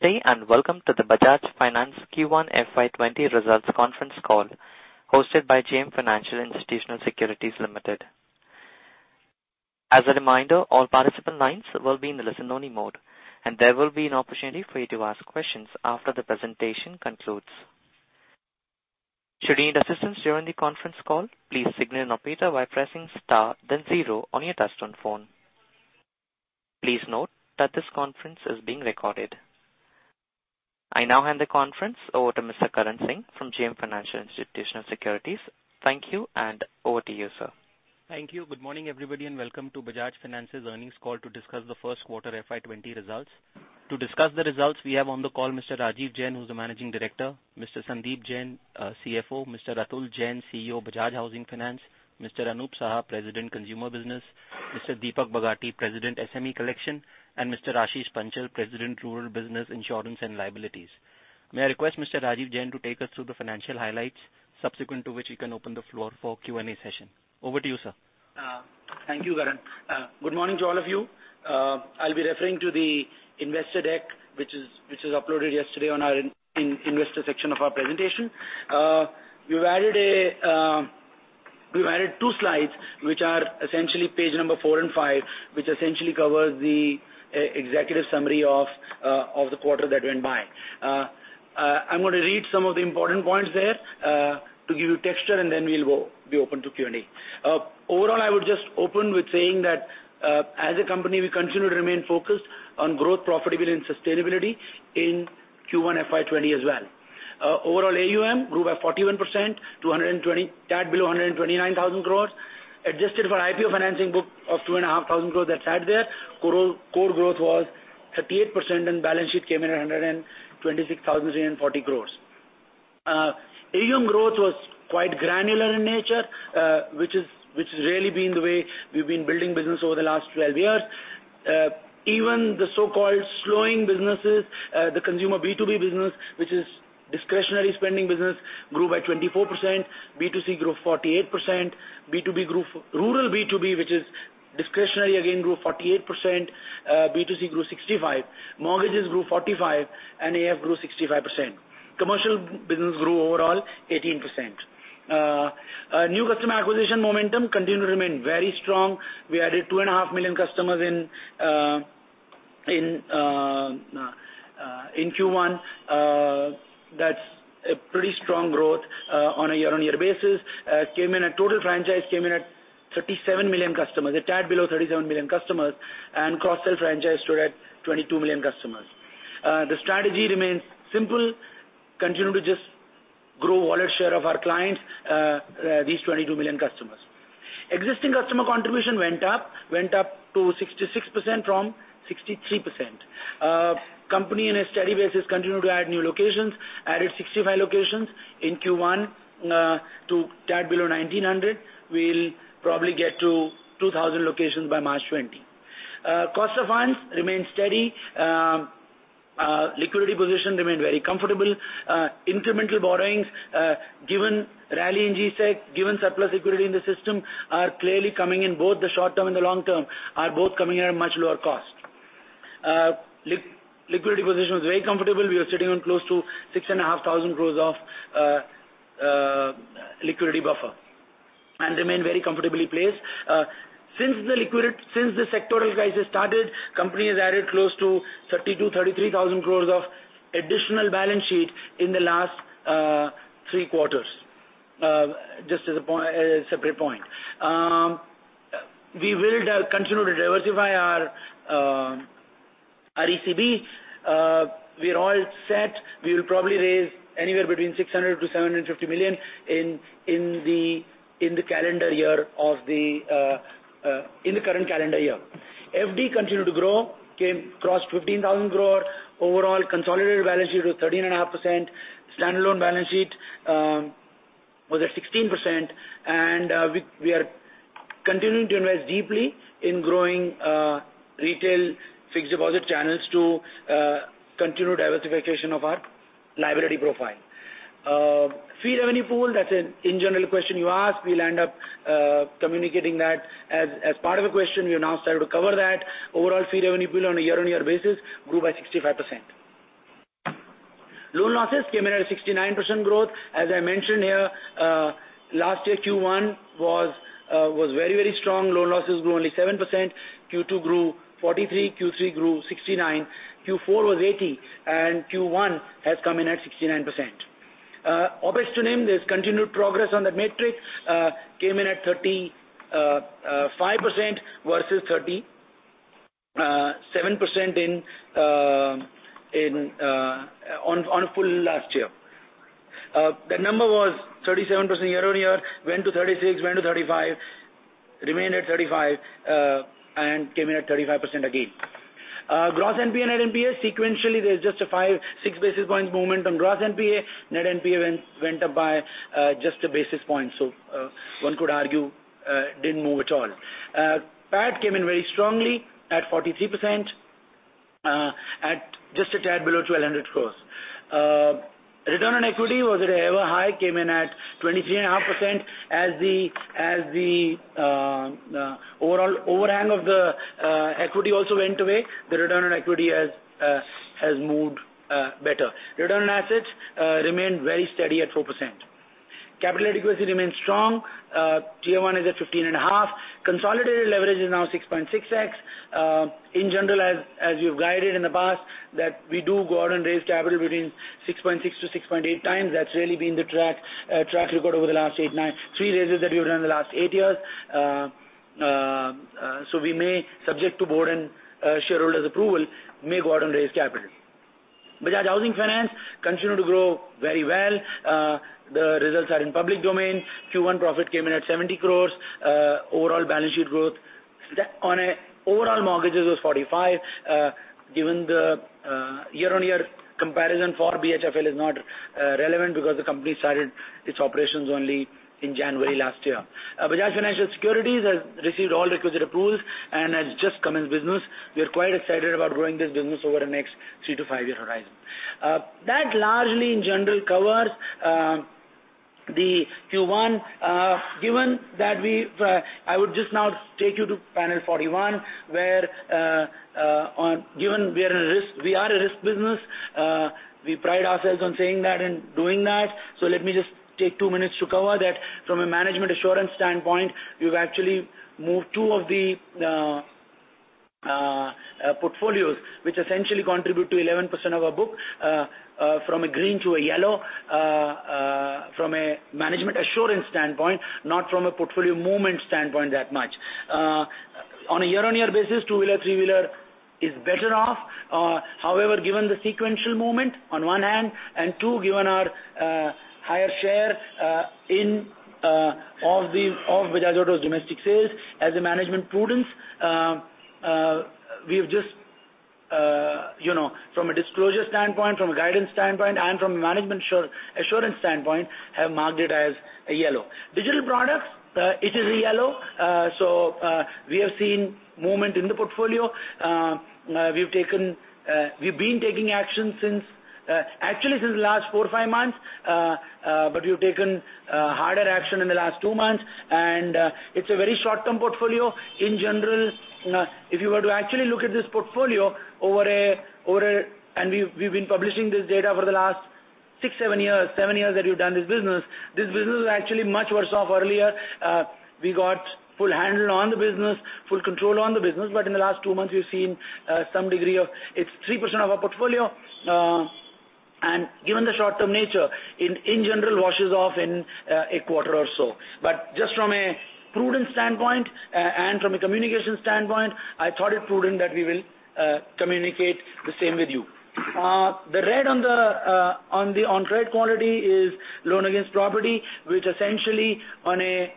Good and welcome to the Bajaj Finance Q1 FY 2020 results conference call, hosted by JM Financial Institutional Securities Limited. As a reminder, all participant lines will be in listen-only mode, and there will be an opportunity for you to ask questions after the presentation concludes. Should you need assistance during the conference call, please signal an operator by pressing star then zero on your touch-tone phone. Please note that this conference is being recorded. I now hand the conference over to Mr Karan Singh from JM Financial Institutional Securities. Thank you, and over to you, sir. Thank you. Good morning, everybody, welcome to Bajaj Finance's earnings call to discuss the first quarter FY 2020 results. To discuss the results we have on the call Mr. Rajeev Jain, who's the Managing Director, Mr. Sandeep Jain, CFO, Mr. Atul Jain, CEO, Bajaj Housing Finance, Mr. Anup Saha, President, Consumer Business, Mr. Deepak Bagati, President, SME Collection, and Mr. Ashish Panchal, President, Rural Business, Insurance, and Liabilities. May I request Mr. Rajeev Jain to take us through the financial highlights, subsequent to which we can open the floor for Q&A session. Over to you, sir. Thank you, Karan. Good morning to all of you. I'll be referring to the investor deck, which was uploaded yesterday on our investor section of our presentation. We've added two slides, which are essentially page number four and five, which essentially cover the executive summary of the quarter that went by. I'm going to read some of the important points there to give you texture, and then we'll be open to Q&A. Overall, I would just open with saying that, as a company, we continue to remain focused on growth, profitability, and sustainability in Q1 FY 2020 as well. Overall AUM grew by 41%, a tad below 129,000 crores. Adjusted for IPO financing book of 2,500 crores that sat there, core growth was 38%. Balance sheet came in at 126,340 crores. AUM growth was quite granular in nature, which has really been the way we've been building business over the last 12 years. Even the so-called slowing businesses, the consumer B2B business, which is discretionary spending business, grew by 24%, B2C grew 48%, rural B2B, which is discretionary again, grew 48%, B2C grew 65%, mortgages grew 45%, and AF grew 65%. Commercial business grew overall 18%. New customer acquisition momentum continued to remain very strong. We added 2.5 Million customers in Q1. That's a pretty strong growth on a year-on-year basis. Total franchise came in a tad below 37 million customers, and cross-sell franchise stood at 22 million customers. The strategy remains simple: continue to just grow wallet share of our clients, these 22 million customers. Existing customer contribution went up to 66% from 63%. Company on a steady basis continued to add new locations, added 65 locations in Q1 to a tad below 1,900. We'll probably get to 2,000 locations by March 2020. Cost of funds remained steady. Liquidity position remained very comfortable. Incremental borrowings given rally in G-Sec, given surplus liquidity in the system are clearly coming in both the short-term and the long-term, are both coming in at a much lower cost. Liquidity position was very comfortable. We are sitting on close to 6,500 crores of liquidity buffer and remain very comfortably placed. Since the sectoral crisis started, company has added close to 32,000 crores, 33,000 crores of additional balance sheet in the last three quarters, just as a separate point. We will continue to diversify our ECB. We are all set. We will probably raise anywhere between $600 million-$750 million in the current calendar year. FD continued to grow, crossed 15,000 crore. Overall consolidated balance sheet was 13.5%. Stand-alone balance sheet was at 16%. We are continuing to invest deeply in growing retail fixed deposit channels to continue diversification of our liability profile. Fee revenue pool, that's in general a question you ask. We'll end up communicating that as part of a question. We have now started to cover that. Overall fee revenue pool on a year-on-year basis grew by 65%. Loan losses came in at a 69% growth. As I mentioned here, last year Q1 was very strong. Loan losses grew only 7%. Q2 grew 43%, Q3 grew 69%, Q4 was 80%, and Q1 has come in at 69%. OpEx to NII, there's continued progress on that metric. Came in at 35% versus 37% on full last year. That number was 37% year-on-year, went to 36%, went to 35%, remained at 35%, and came in at 35% again. Gross NPA, Net NPA, sequentially, there's just a five, six basis points movement on gross NPA. Net NPA went up by just a basis point. One could argue it didn't move at all. PAT came in very strongly at 43% at just a tad below 1,200 crores. Return on equity was at an ever high, came in at 23.5% as the overall overhang of the equity also went away. The return on equity has moved better. Return on assets remained very steady at 4%. Capital adequacy remains strong. Tier 1 is at 15.5. Consolidated leverage is now 6.6x. In general, as you've guided in the past, that we do go out and raise capital between 6.6x-6.8x. That's really been the track record over the last eight, nine. Three raises that we've done in the last eight years. We may, subject to board and shareholders approval, may go out and raise capital. Bajaj Housing Finance continued to grow very well. The results are in public domain. Q1 profit came in at 70 crores. Overall balance sheet growth on overall mortgages was 45%. Given the year-on-year comparison for BHFL is not relevant because the company started its operations only in January last year. Bajaj Financial Securities has received all requisite approvals and has just commenced business. We are quite excited about growing this business over the next three to five-year horizon. That largely in general covers the Q1. Given that, I would just now take you to panel 41, where given we are a risk business, we pride ourselves on saying that and doing that. Let me just take two minutes to cover that. From a management assurance standpoint, we've actually moved two of the portfolios, which essentially contribute to 11% of our book, from a green to a yellow, from a management assurance standpoint, not from a portfolio movement standpoint that much. On a year-on-year basis, two-wheeler, three-wheeler is better off. However, given the sequential movement on one hand, and two, given our higher share of Bajaj Auto's domestic sales, as a management prudence, from a disclosure standpoint, from a guidance standpoint, and from a management assurance standpoint, have marked it as a yellow. Digital products, it is a yellow. We have seen movement in the portfolio. We've been taking action since, actually since last four or five months. We've taken harder action in the last two months, and it's a very short-term portfolio. In general, if you were to actually look at this portfolio, and we've been publishing this data for the last six, seven years that we've done this business, this business was actually much worse off earlier. We got full handle on the business, full control on the business. In the last two months, we've seen It's 3% of our portfolio. Given the short-term nature, in general washes off in a quarter or so. Just from a prudence standpoint, and from a communication standpoint, I thought it prudent that we will communicate the same with you. The red on the on-trend quality is loan against property, which essentially on a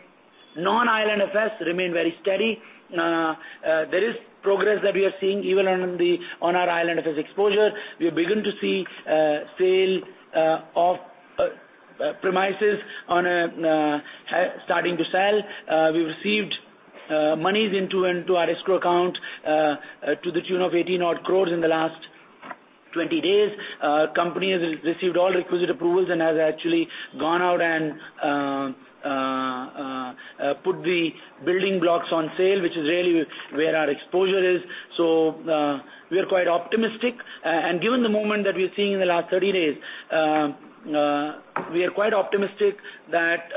non-IL&FS remain very steady. There is progress that we are seeing even on our IL&FS exposure. We have begun to see sale of premises starting to sell. We've received monies into our escrow account, to the tune of 80 odd crores in the last 20 days. Company has received all requisite approvals and has actually gone out and put the building blocks on sale, which is really where our exposure is. We are quite optimistic. Given the movement that we're seeing in the last 30 days, we are quite optimistic that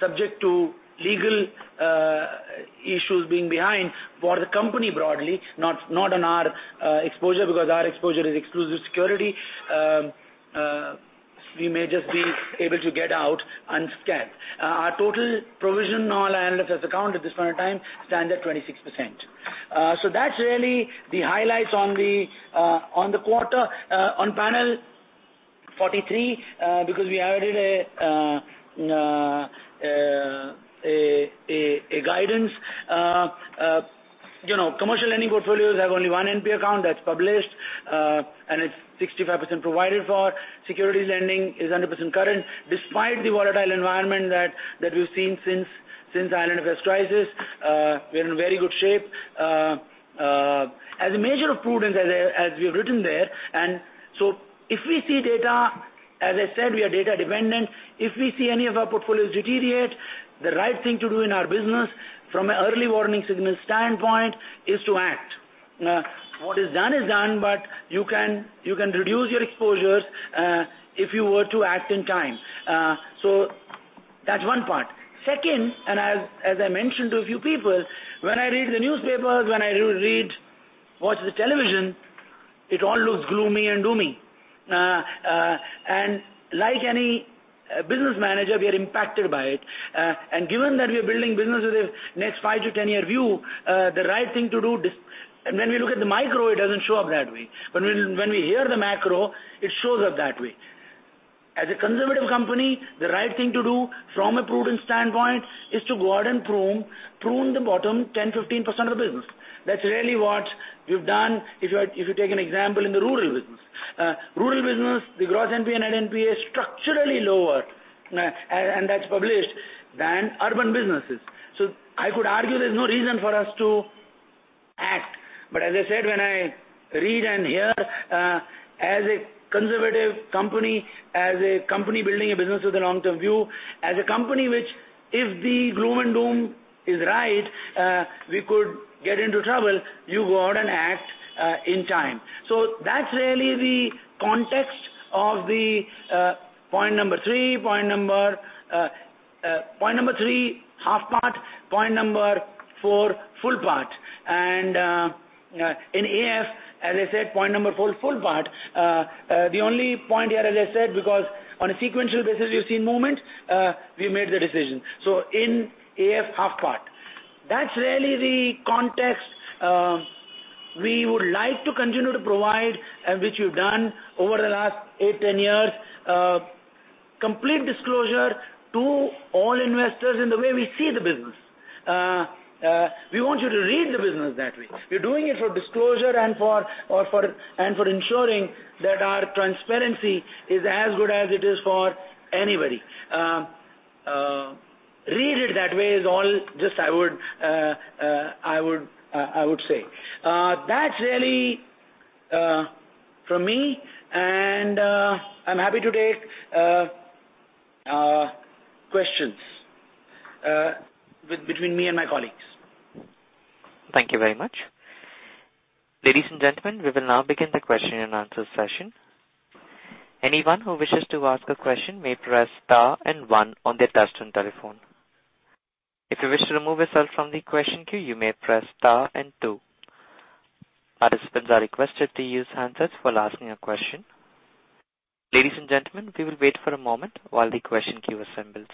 subject to legal issues being behind for the company broadly, not on our exposure because our exposure is exclusive security, we may just be able to get out unscathed. Our total provision on IL&FS account at this point of time stands at 26%. That's really the highlights on the quarter. On panel 43, because we added a guidance. Commercial lending portfolios have only one NPA account that's published, and it's 65% provided for. Securities lending is 100% current. Despite the volatile environment that we've seen since IL&FS crisis, we are in very good shape. As a measure of prudence, as we've written there, if we see data, as I said, we are data-dependent. If we see any of our portfolios deteriorate, the right thing to do in our business from an early warning signal standpoint is to act. What is done is done, you can reduce your exposures if you were to act in time. That's one part. Second, as I mentioned to a few people, when I read the newspapers, when I watch the television, it all looks gloomy and doomy. Like any business manager, we are impacted by it. Given that we are building business with a next five to year view, when we look at the micro, it doesn't show up that way. When we hear the macro, it shows up that way. As a conservative company, the right thing to do from a prudence standpoint is to go out and prune the bottom 10%-15% of the business. That's really what we've done if you take an example in the Rural business. Rural business, the GNPA, NPA is structurally lower, and that's published, than urban businesses. As I said, when I read and hear, as a conservative company, as a company building a business with a long-term view, as a company which if the gloom and doom is right we could get into trouble, you go out and act in time. That's really the context of the point number three, half part, point number four, full part. In AF, as I said, point number four, full part. The only point here, as I said, because on a sequential basis you've seen movement, we made the decision. In AF, half part. That's really the context we would like to continue to provide and which we've done over the last eight, 10 years. Complete disclosure to all investors in the way we see the business. We want you to read the business that way. We're doing it for disclosure and for ensuring that our transparency is as good as it is for anybody. Read it that way is all just I would say. That's really from me, and I'm happy to take questions between me and my colleagues. Thank you very much. Ladies and gentlemen, we will now begin the question and answer session. Anyone who wishes to ask a question may press star and one on their touch-tone telephone. If you wish to remove yourself from the question queue, you may press star and. Participants are requested to use handsets while asking a question. Ladies and gentlemen, we will wait for a moment while the question queue assembles.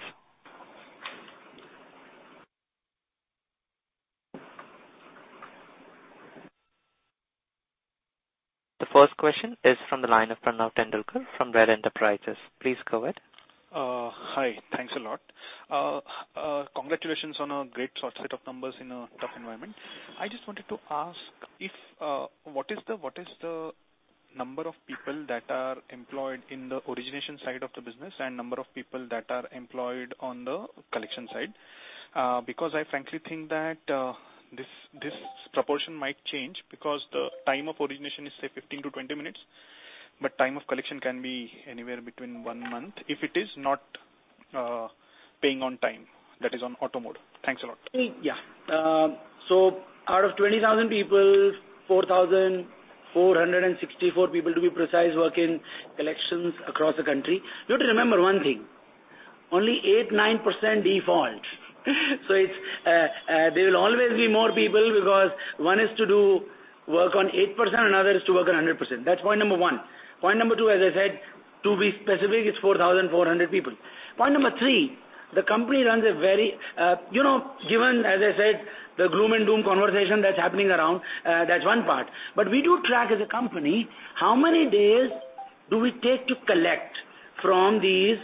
The first question is from the line of Pranav Tendulkar from Rare Enterprises. Please go ahead. Hi. Thanks a lot. Congratulations on a great set of numbers in a tough environment. I just wanted to ask, what is the number of people that are employed in the origination side of the business, and number of people that are employed on the collection side? I frankly think that this proportion might change because the time of origination is, say, 15-20 minutes, but time of collection can be anywhere between one month if it is not paying on time, that is on auto mode. Thanks a lot. Out of 20,000 people, 4,464 people, to be precise, work in collections across the country. You have to remember one thing. Only 8%-9% default. There will always be more people because one is to do work on 8% and another is to work on 100%. That's point number one. Point number two, as I said, to be specific, it's 4,400 people. Point number three, given, as I said, the gloom and doom conversation that's happening around, that's one part. We do track as a company how many days do we take to collect from the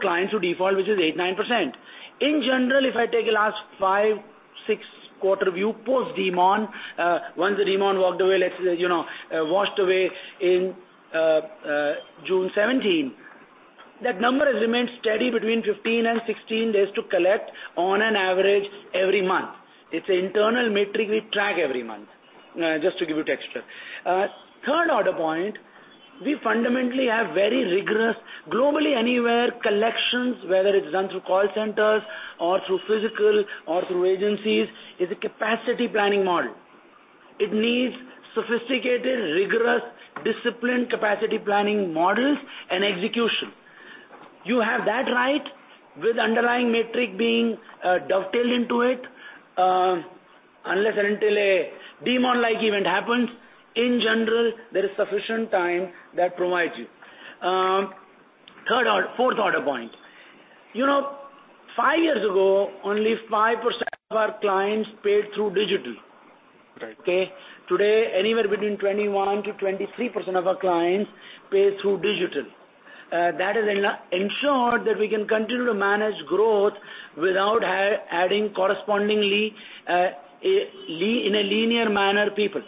clients who default, which is 8%-9%. In general, if I take a last five, six quarter view post demonetisation, once the demonetisation washed away in June 2017. That number has remained steady between 15-16 days to collect on an average every month. It's an internal metric we track every month. Just to give you texture. Third order point, we fundamentally have very rigorous, globally anywhere, collections, whether it's done through call centers or through physical or through agencies, is a capacity planning model. It needs sophisticated, rigorous, disciplined capacity planning models and execution. You have that right with underlying metric being dovetailed into it. Unless and until a demonetisation-like event happens, in general, there is sufficient time that provides you. Fourth order point. five years ago, only 5% of our clients paid through digital. Right. Okay. Today, anywhere between 21%-23% of our clients pay through digital. That has ensured that we can continue to manage growth without adding correspondingly in a linear manner people.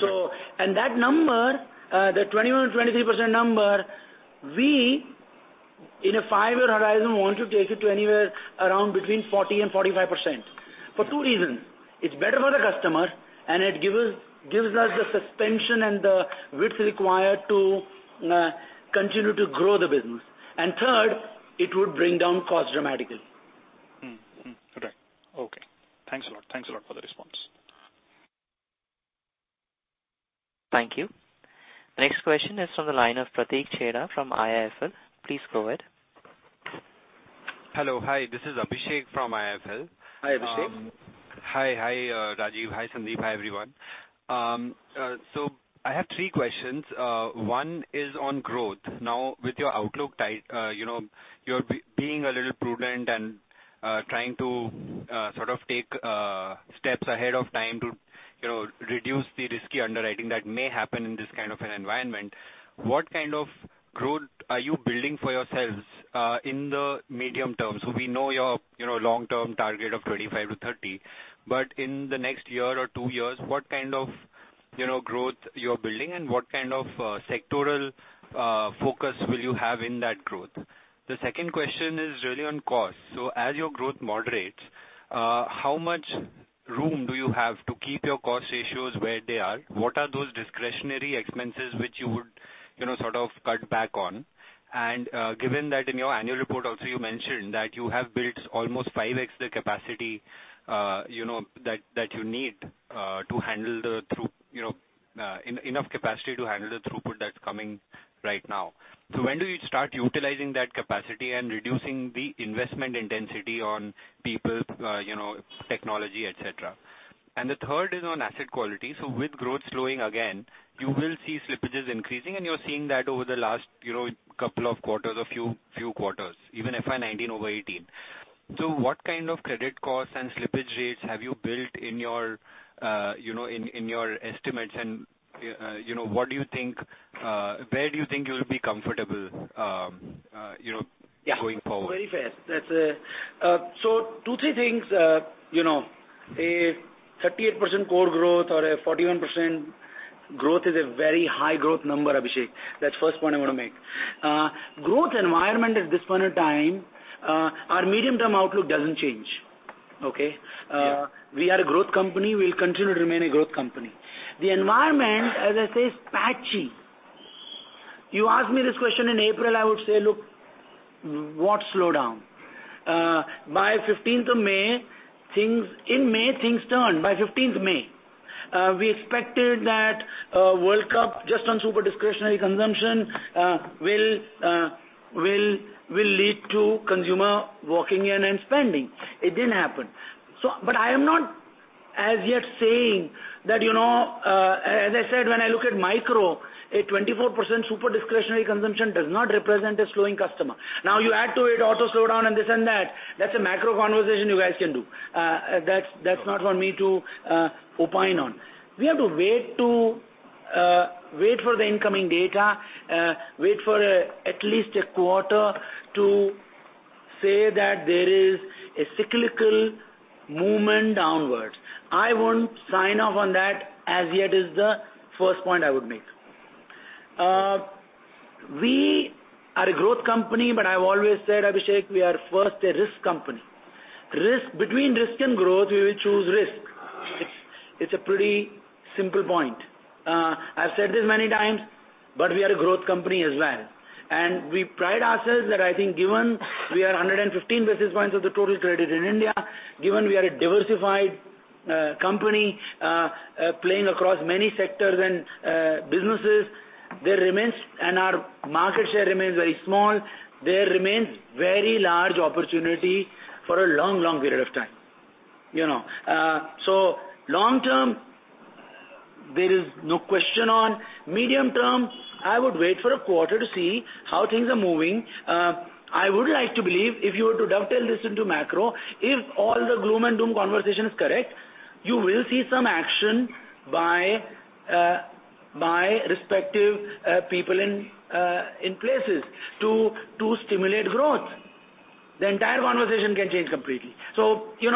That number, the 21%-23% number, we, in a five-year horizon want to take it to anywhere around between 40% and 45%. For two reasons. It's better for the customer and it gives us the suspension and the width required to continue to grow the business. Third, it would bring down cost dramatically. Right. Okay. Thanks a lot for the response. Thank you. Next question is from the line of Prateek Chheda from IIFL. Please go ahead. Hello. Hi, this is Abhishek from IIFL. Hi, Abhishek. Hi, Rajeev. Hi, Sandeep. Hi, everyone. I have three questions. One is on growth. Now, with your outlook, you're being a little prudent and trying to sort of take steps ahead of time to reduce the risky underwriting that may happen in this kind of an environment. What kind of growth are you building for yourselves in the medium term? We know your long-term target of 25-30, but in the next year or two years, what kind of growth you're building, and what kind of sectoral focus will you have in that growth? The second question is really on cost. As your growth moderates, how much room do you have to keep your cost ratios where they are? What are those discretionary expenses which you would sort of cut back on? Given that in your annual report also, you mentioned that you have built almost 5x the capacity that you need enough capacity to handle the throughput that's coming right now. When do you start utilizing that capacity and reducing the investment intensity on people, technology, et cetera? The third is on asset quality. With growth slowing again, you will see slippages increasing, and you're seeing that over the last couple of quarters, a few quarters, even FY 2019 over 2018. What kind of credit costs and slippage rates have you built in your estimates? Where do you think you'll be comfortable going forward? Very fair. Two, three things. A 38% core growth or a 41% growth is a very high growth number, Abhishek. That's first point I want to make. Growth environment at this point of time, our medium-term outlook doesn't change. Okay? We are a growth company. We'll continue to remain a growth company. The environment, as I say, is patchy. You ask me this question in April, I would say, Look, what slowdown? By 15th of May, in May, things turned by 15th May. We expected that World Cup, just on super discretionary consumption, will lead to consumer walking in and spending. It didn't happen. I am not as yet saying that, as I said, when I look at micro, a 24% super discretionary consumption does not represent a slowing customer. You add to it auto slowdown and this and that's a macro conversation you guys can do. That's not for me to opine on. We have to wait for the incoming data, wait for at least a quarter to say that there is a cyclical movement downwards. I won't sign off on that as yet is the first point I would make. We are a growth company, but I've always said, Abhishek, we are first a risk company. Between risk and growth, we will choose risk. It's a pretty simple point. I've said this many times, but we are a growth company as well. We pride ourselves that I think given we are 115 basis points of the total credit in India, given we are a diversified company playing across many sectors and businesses, and our market share remains very small, there remains very large opportunity for a long period of time. Long term, there is no question on. Medium term, I would wait for a quarter to see how things are moving. I would like to believe if you were to dovetail this into macro, if all the gloom and doom conversation is correct, you will see some action by respective people in places to stimulate growth. The entire conversation can change completely. That's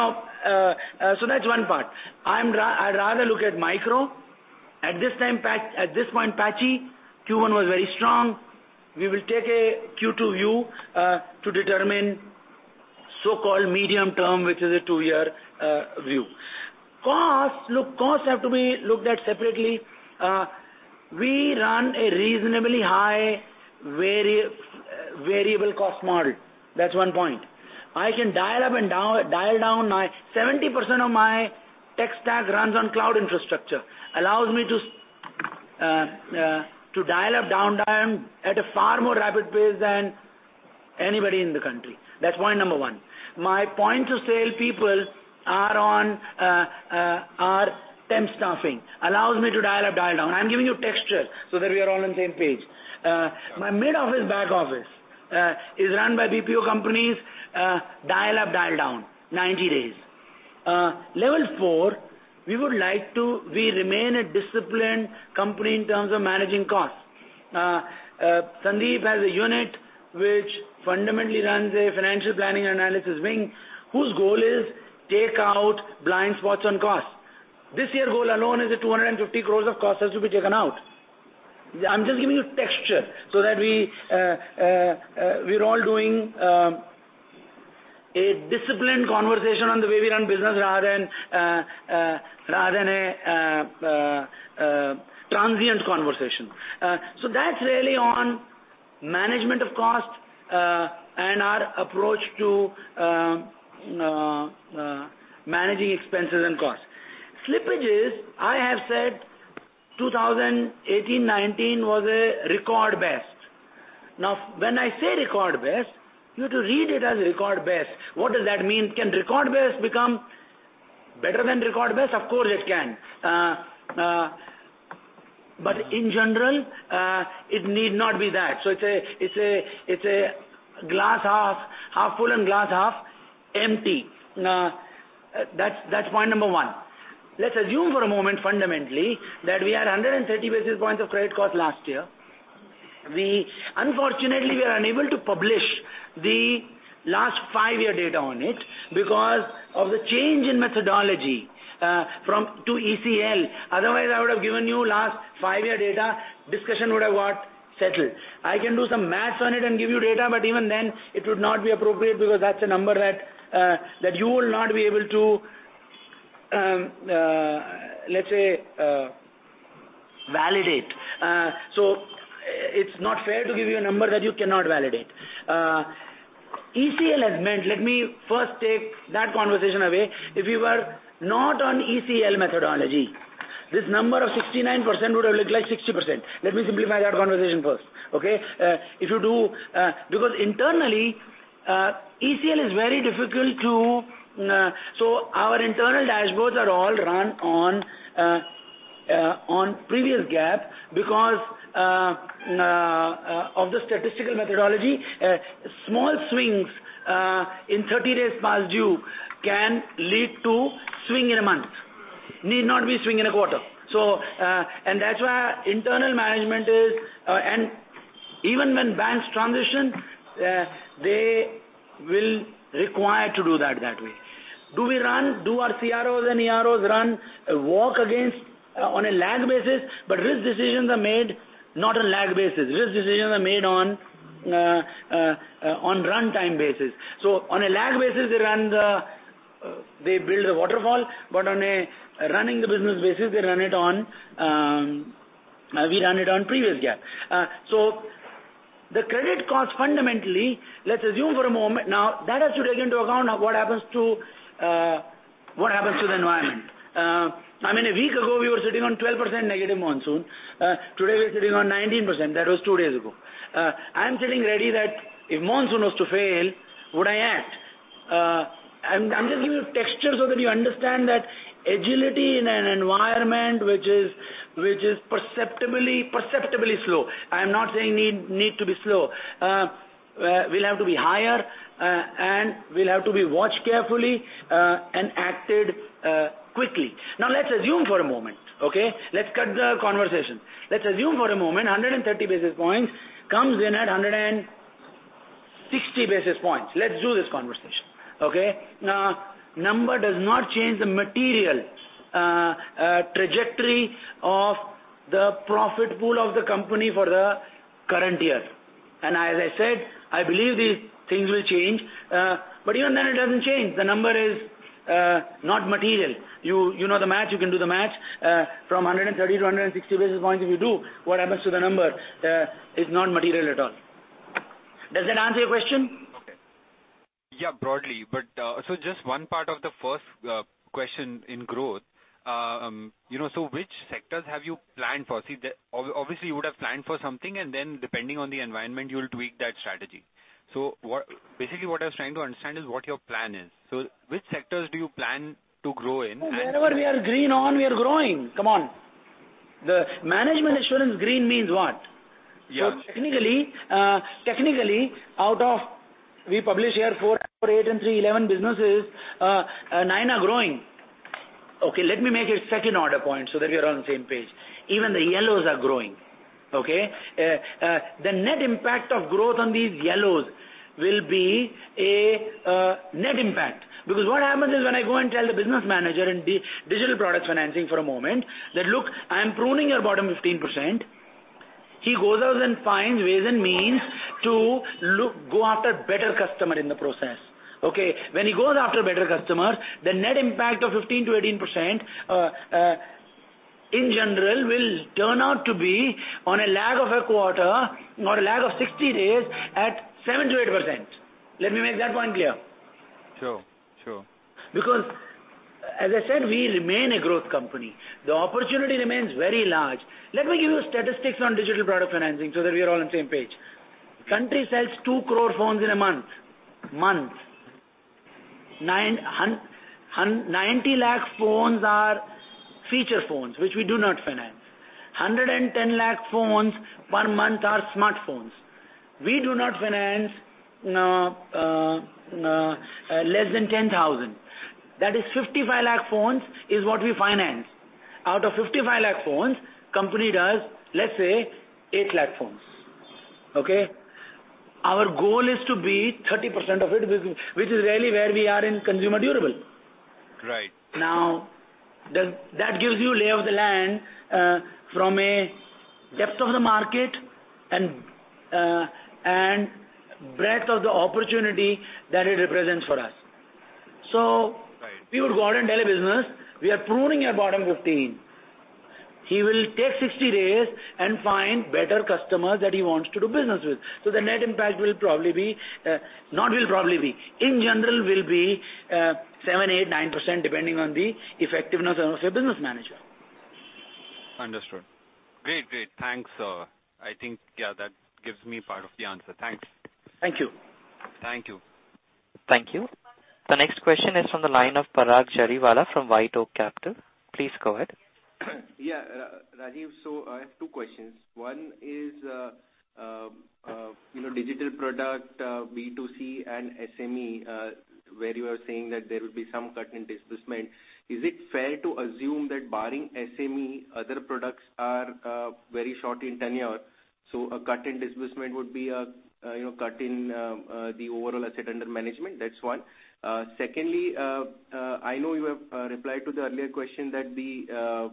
one part. I'd rather look at micro. At this point, patchy. Q1 was very strong. We will take a Q2 view to determine so-called medium term, which is a two-year view. Costs. Look, costs have to be looked at separately. We run a reasonably high variable cost model. That's one point. I can dial up and dial down. 70% of my tech stack runs on cloud infrastructure, allows me to dial up, down time at a far more rapid pace than anybody in the country. That's point number one. My point of sale people are temp staffing. Allows me to dial up, dial down. I'm giving you texture so that we are all on the same page. My mid office, back office is run by BPO companies. Dial up, dial down. 90 days. Level 4, we remain a disciplined company in terms of managing costs. Sandeep has a unit which fundamentally runs a financial planning and analysis wing, whose goal is take out blind spots on cost. This year goal alone is 250 crore of cost has to be taken out. I'm just giving you texture so that we're all doing a disciplined conversation on the way we run business rather than a transient conversation. That's really on management of cost and our approach to managing expenses and costs. Slippages, I have said 2018-2019 was a record best. Now, when I say record best, you have to read it as record best. What does that mean? Can record best become better than record best? Of course it can. In general, it need not be that. It's a glass half full and glass half empty. That's point number one. Let's assume for a moment, fundamentally, that we are 130 basis points of credit cost last year. Unfortunately, we are unable to publish the last five-year data on it because of the change in methodology to ECL. Otherwise, I would have given you last five-year data, discussion would have got settled. I can do some math on it and give you data, but even then it would not be appropriate because that's a number that you will not be able to, let's say, validate. It's not fair to give you a number that you cannot validate. ECL has meant, let me first take that conversation away. If we were not on ECL methodology, this number of 69% would have looked like 60%. Let me simplify that conversation first. Internally, ECL is very difficult. Our internal dashboards are all run on previous GAAP, because of the statistical methodology, small swings in 30 days past due can lead to swing in a month, need not be swing in a quarter. That's why internal management, even when banks transition, they will require to do that that way. Do our CROs and EROs run a walk against on a lag basis? Risk decisions are made not on lag basis. Risk decisions are made on runtime basis. On a lag basis, they build the waterfall, but on a running the business basis, we run it on previous GAAP. The credit cost fundamentally, let's assume for a moment now, that has to take into account what happens to the environment. A week ago, we were sitting on 12% negative monsoon. Today, we're sitting on 19%. That was two days ago. I'm getting ready that if monsoon was to fail, would I act? I'm just giving you a texture so that you understand that agility in an environment which is perceptibly slow. I'm not saying need to be slow. Will have to be higher, and will have to be watched carefully, and acted quickly. Let's assume for a moment, okay? Let's cut the conversation. Let's assume for a moment, 130 basis points comes in at 160 basis points. Let's do this conversation. Number does not change the material trajectory of the profit pool of the company for the current year. As I said, I believe these things will change. Even then it doesn't change. The number is not material. You know the math, you can do the math. From 130-160 basis points, if you do, what happens to the number? It's not material at all. Does that answer your question? Okay. Yeah, broadly. Just one part of the first question in growth. Which sectors have you planned for? Obviously, you would have planned for something, and then depending on the environment, you'll tweak that strategy. Basically what I was trying to understand is what your plan is. Which sectors do you plan to grow in? Wherever we are green on, we are growing. Come on. The management assurance green means what? Yeah. Technically, out of, we publish here four, eight and three 11 businesses, nine are growing. Okay, let me make it second order point so that we are on the same page. Even the yellows are growing. The net impact of growth on these yellows will be a net impact. What happens is when I go and tell the business manager in digital products financing for a moment that, look, I am pruning your bottom 15%, he goes out and finds ways and means to go after better customer in the process. When he goes after better customers, the net impact of 15%-18%, in general, will turn out to be on a lag of a quarter or a lag of 60 days at 7%-8%. Let me make that point clear. Sure. As I said, we remain a growth company. The opportunity remains very large. Let me give you statistics on digital product financing so that we are all on the same page. Country sells 2 crore phones in a month. 90 lakh phones are feature phones, which we do not finance. 110 lakh phones per month are smartphones. We do not finance less than 10,000. That is 55 lakh phones is what we finance. Out of 55 lakh phones, company does, let's say, 8 lakh phones. Our goal is to be 30% of it, which is really where we are in consumer durable. Right. That gives you lay of the land from a depth of the market and breadth of the opportunity that it represents for us. We would go out and tell a business we are pruning your bottom 15. He will take 60 days and find better customers that he wants to do business with. The net impact in general will be 7%, 8%, 9% depending on the effectiveness of your business manager. Understood. Great. Thanks. I think that gives me part of the answer. Thanks. Thank you. Thank you. Thank you. The next question is from the line of Parag Jariwala from White Oak Capital. Please go ahead. Yeah. Rajeev, I have two questions. One is Digital product, B2C and SME, where you are saying that there will be some cut in disbursement. Is it fair to assume that barring SME, other products are very short in tenure, so a cut in disbursement would be a cut in the overall asset under management? That's one. Secondly, I know you have replied to the earlier question that the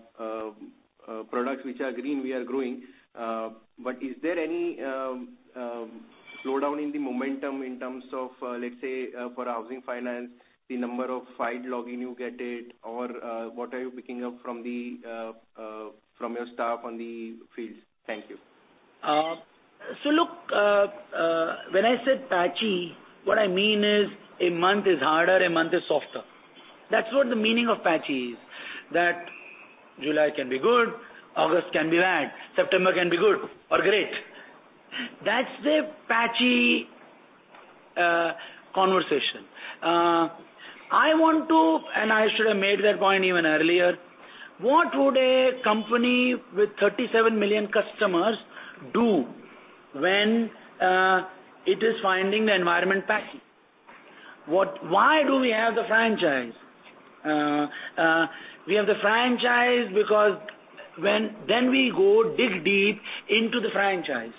products which are green, we are growing. Is there any slowdown in the momentum in terms of, let's say, for Housing Finance, the number of file login you get it or what are you picking up from your staff on the field? Thank you. Look, when I said patchy, what I mean is a month is harder, a month is softer. That's what the meaning of patchy is. July can be good, August can be bad, September can be good or great. That's the patchy conversation. I should have made that point even earlier. What would a company with 37 million customers do when it is finding the environment patchy? Why do we have the franchise? We have the franchise because then we go dig deep into the franchise.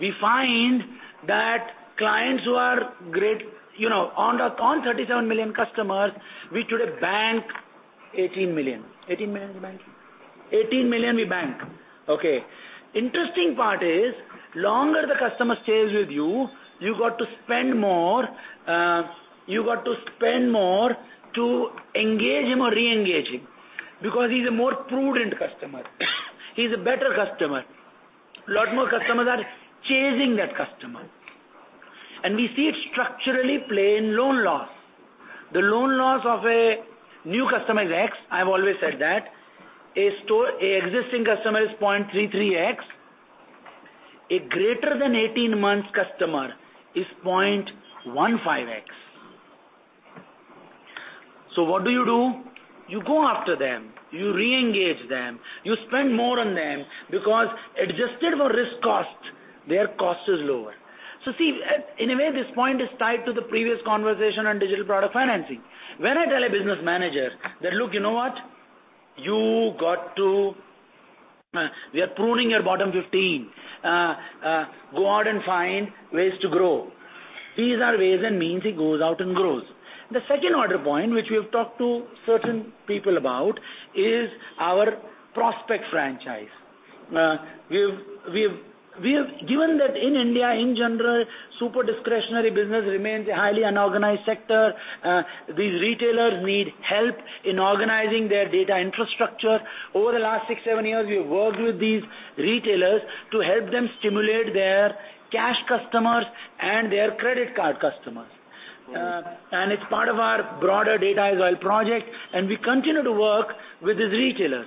We find that clients who are great. On 37 million customers, we today bank 18 million. 18 million we bank? 18 million we bank. Okay. Interesting part is longer the customer stays with you got to spend more to engage him or re-engage him, because he's a more prudent customer. He's a better customer. Lot more customers are chasing that customer. We see it structurally play in loan loss. The loan loss of a new customer is X. I've always said that. An existing customer is 0.33X. A greater than 18 months customer is 0.15X. What do you do? You go after them. You re-engage them. You spend more on them because adjusted for risk cost, their cost is lower. See, in a way, this point is tied to the previous conversation on digital product financing. When I tell a business manager that look, you know what, we are pruning your bottom 15. Go out and find ways to grow. These are ways and means he goes out and grows. The second order point, which we have talked to certain people about is our prospect franchise. Given that in India, in general, super discretionary business remains a highly unorganized sector. These retailers need help in organizing their data infrastructure. Over the last six, seven years, we have worked with these retailers to help them stimulate their cash customers and their credit card customers. It's part of our broader data as a project, and we continue to work with these retailers.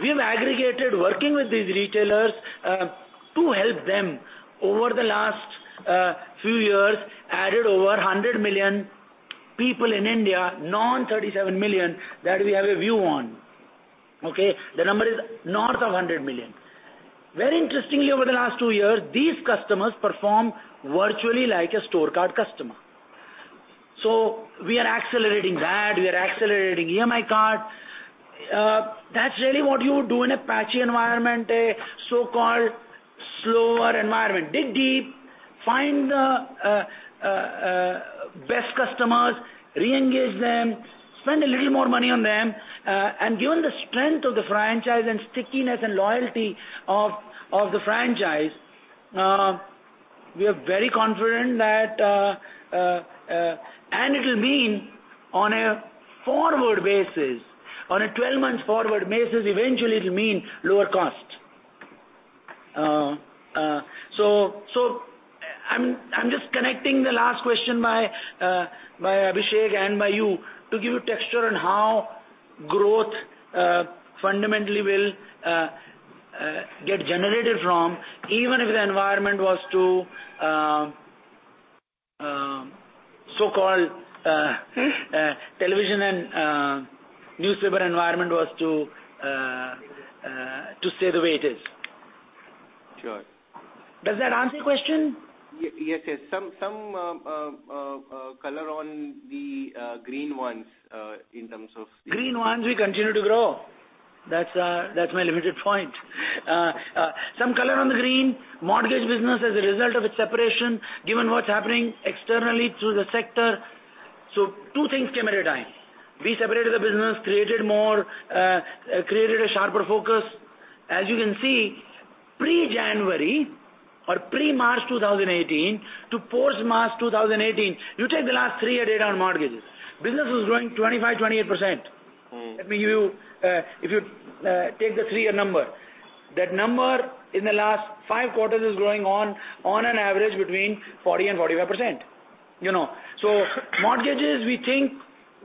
We have aggregated working with these retailers to help them over the last few years, added over 100 million people in India, non 37 million that we have a view on. Okay? The number is north of 100 million. Very interestingly, over the last two years, these customers perform virtually like a store card customer. We are accelerating that. We are accelerating EMI card. That's really what you would do in a patchy environment, a so-called slower environment. Dig deep, find the best customers, re-engage them, spend a little more money on them. Given the strength of the franchise and stickiness and loyalty of the franchise, we are very confident that it will mean on a forward basis, on a 12-month forward basis, eventually it will mean lower cost. So I'm just connecting the last question by Abhishek and by you to give you texture on how growth fundamentally will get generated from even if the environment was to so-called television and newspaper environment to stay the way it is. Sure. Does that answer your question? Yes. Some color on the green ones. Green ones, we continue to grow. That's my limited point. Some color on the green, mortgage business as a result of its separation, given what's happening externally through the sector. Two things came at a time. We separated the business, created a sharper focus. As you can see, pre-January or pre-March 2018 to post-March 2018, you take the last three-year data on mortgages. Business was growing 25%-28%. If you take the three-year number. That number in the last five quarters is growing on an average between 40% and 45%. Mortgages, we think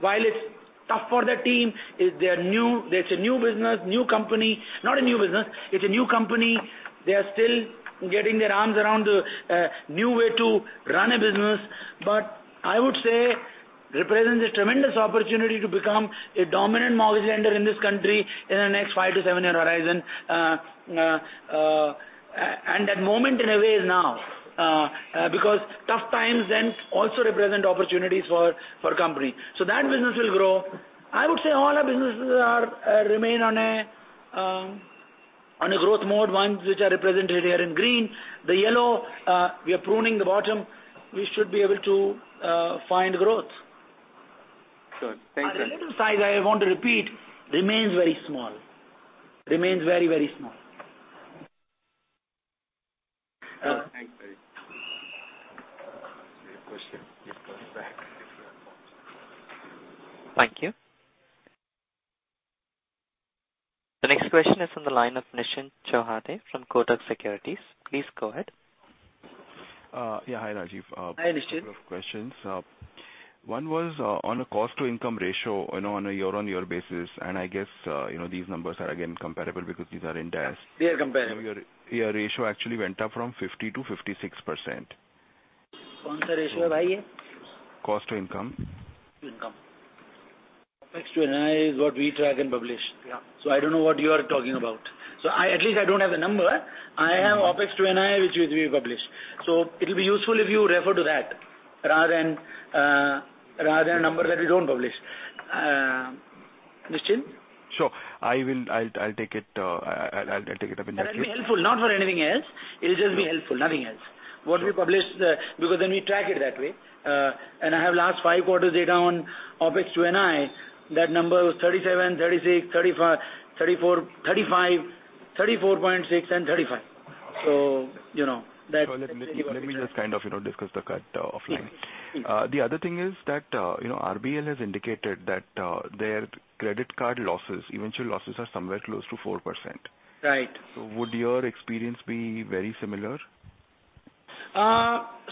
while it's tough for the team, it's a new company. They are still getting their arms around the new way to run a business. I would say represent this tremendous opportunity to become a dominant mortgage lender in this country in the next seven to eight-year horizon. That moment in a way is now, because tough times then also represent opportunities for company. That business will grow. I would say all our businesses remain on a growth mode, ones which are represented here in green. The yellow, we are pruning the bottom. We should be able to find growth. Good. Thank you. The relative size, I want to repeat, remains very small. Remains very, very small. Thanks. Thank you. The next question is on the line of Nischint Chawathe from Kotak Securities. Please go ahead. Yeah. Hi, Rajeev. Hi, Nischint. Couple of questions. One was on a cost-to-income ratio on a year-on-year basis. I guess, these numbers are again comparable because these are in Ind AS. They are comparable. Your ratio actually went up from 50%-56%. Cost to income. To income. Opex to NII is what we track and publish. Yeah. I don't know what you are talking about. At least I don't have a number. I have OpEx to NII, which we publish. It'll be useful if you refer to that rather than a number that we don't publish. Nischint? Sure. I'll take it up in that case. That will be helpful, not for anything else. It'll just be helpful, nothing else. What we publish, because then we track it that way. I have last five quarters data on OpEx to NII. That number was 37, 36, 35, 34.6, and 35. Let me just kind of discuss the cut offline. Yeah. The other thing is that RBL has indicated that their credit card losses, eventual losses, are somewhere close to 4%. Right. Would your experience be very similar?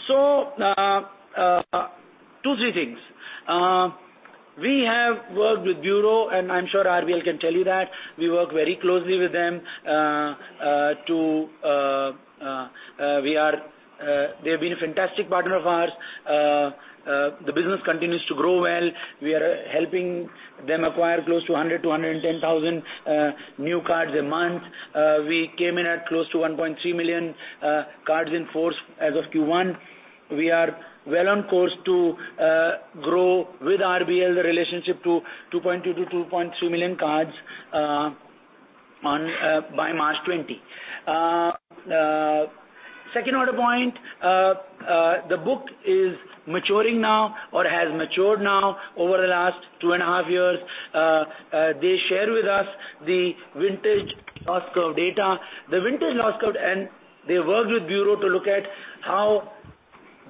Two, three things. We have worked with Bureau, and I am sure RBL can tell you that we work very closely with them. They have been a fantastic partner of ours. The business continues to grow well. We are helping them acquire close to 100,000-110,000 new cards a month. We came in at close to 1.3 million cards in force as of Q1. We are well on course to grow with RBL the relationship to 2.2 million-2.3 million cards by March 2020. Second order point. The book is maturing now or has matured now over the last 2.5 years. They share with us the vintage loss curve data. The vintage loss curve, they work with Bureau to look at how